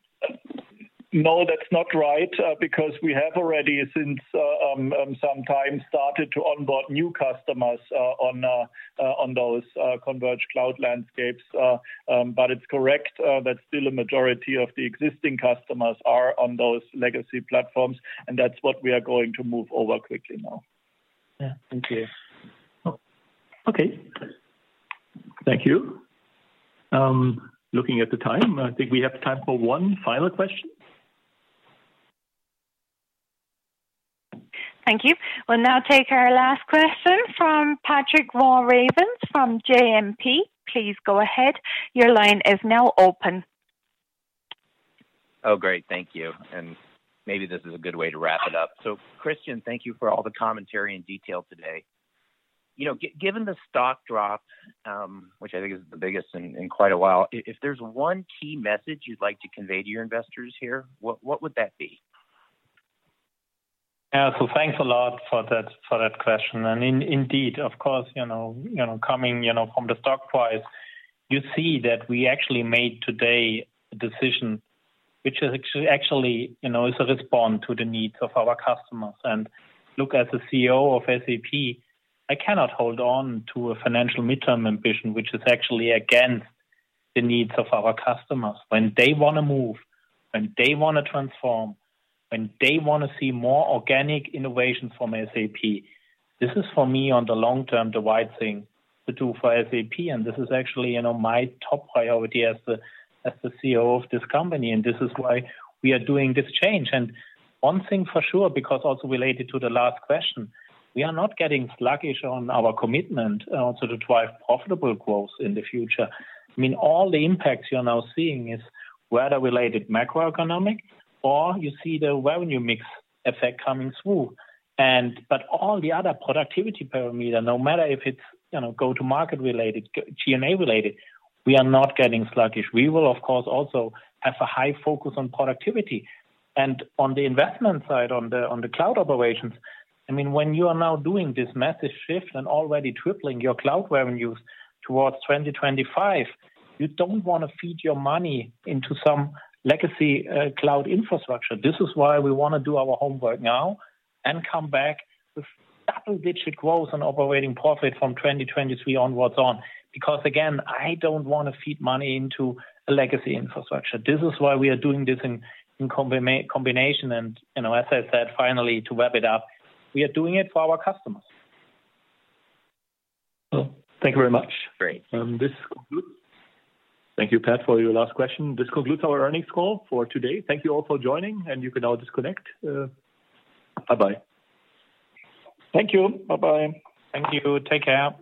No, that's not right, because we have already, since some time, started to onboard new customers on those converged cloud landscapes. It's correct that still a majority of the existing customers are on those legacy platforms, and that's what we are going to move over quickly now. Yeah. Thank you. Okay. Thank you. Looking at the time, I think we have time for one final question. Thank you. We'll now take our last question from Patrick Walravens from JMP. Please go ahead. Oh, great. Thank you. Maybe this is a good way to wrap it up. Christian, thank you for all the commentary and detail today. Given the stock drop, which I think is the biggest in quite a while, if there's one key message you'd like to convey to your investors here, what would that be? Thanks a lot for that question. Indeed, of course, coming from the stock price, you see that we actually made today a decision. Which is actually, is a response to the needs of our customers. Look, as the CEO of SAP, I cannot hold on to a financial midterm ambition, which is actually against the needs of our customers. When they want to move, when they want to transform, when they want to see more organic innovation from SAP. This is for me, on the long term, the right thing to do for SAP, and this is actually my top priority as the CEO of this company, and this is why we are doing this change. One thing for sure, because also related to the last question, we are not getting sluggish on our commitment also to drive profitable growth in the future. All the impacts you're now seeing is weather-related macroeconomic, or you see the revenue mix effect coming through. All the other productivity parameter, no matter if it's go-to-market related, G&A related, we are not getting sluggish. We will, of course, also have a high focus on productivity. On the investment side, on the cloud operations, when you are now doing this massive shift and already tripling your cloud revenues towards 2025, you don't want to feed your money into some legacy cloud infrastructure. This is why we want to do our homework now and come back with double-digit growth on operating profit from 2023 onwards on. Again, I don't want to feed money into a legacy infrastructure. This is why we are doing this in combination and, as I said, finally, to wrap it up, we are doing it for our customers. Well, thank you very much. Great. Thank you, Pat, for your last question. This concludes our earnings call for today. Thank you all for joining, and you can now disconnect. Bye-bye. Thank you. Bye-bye. Thank you. Take care.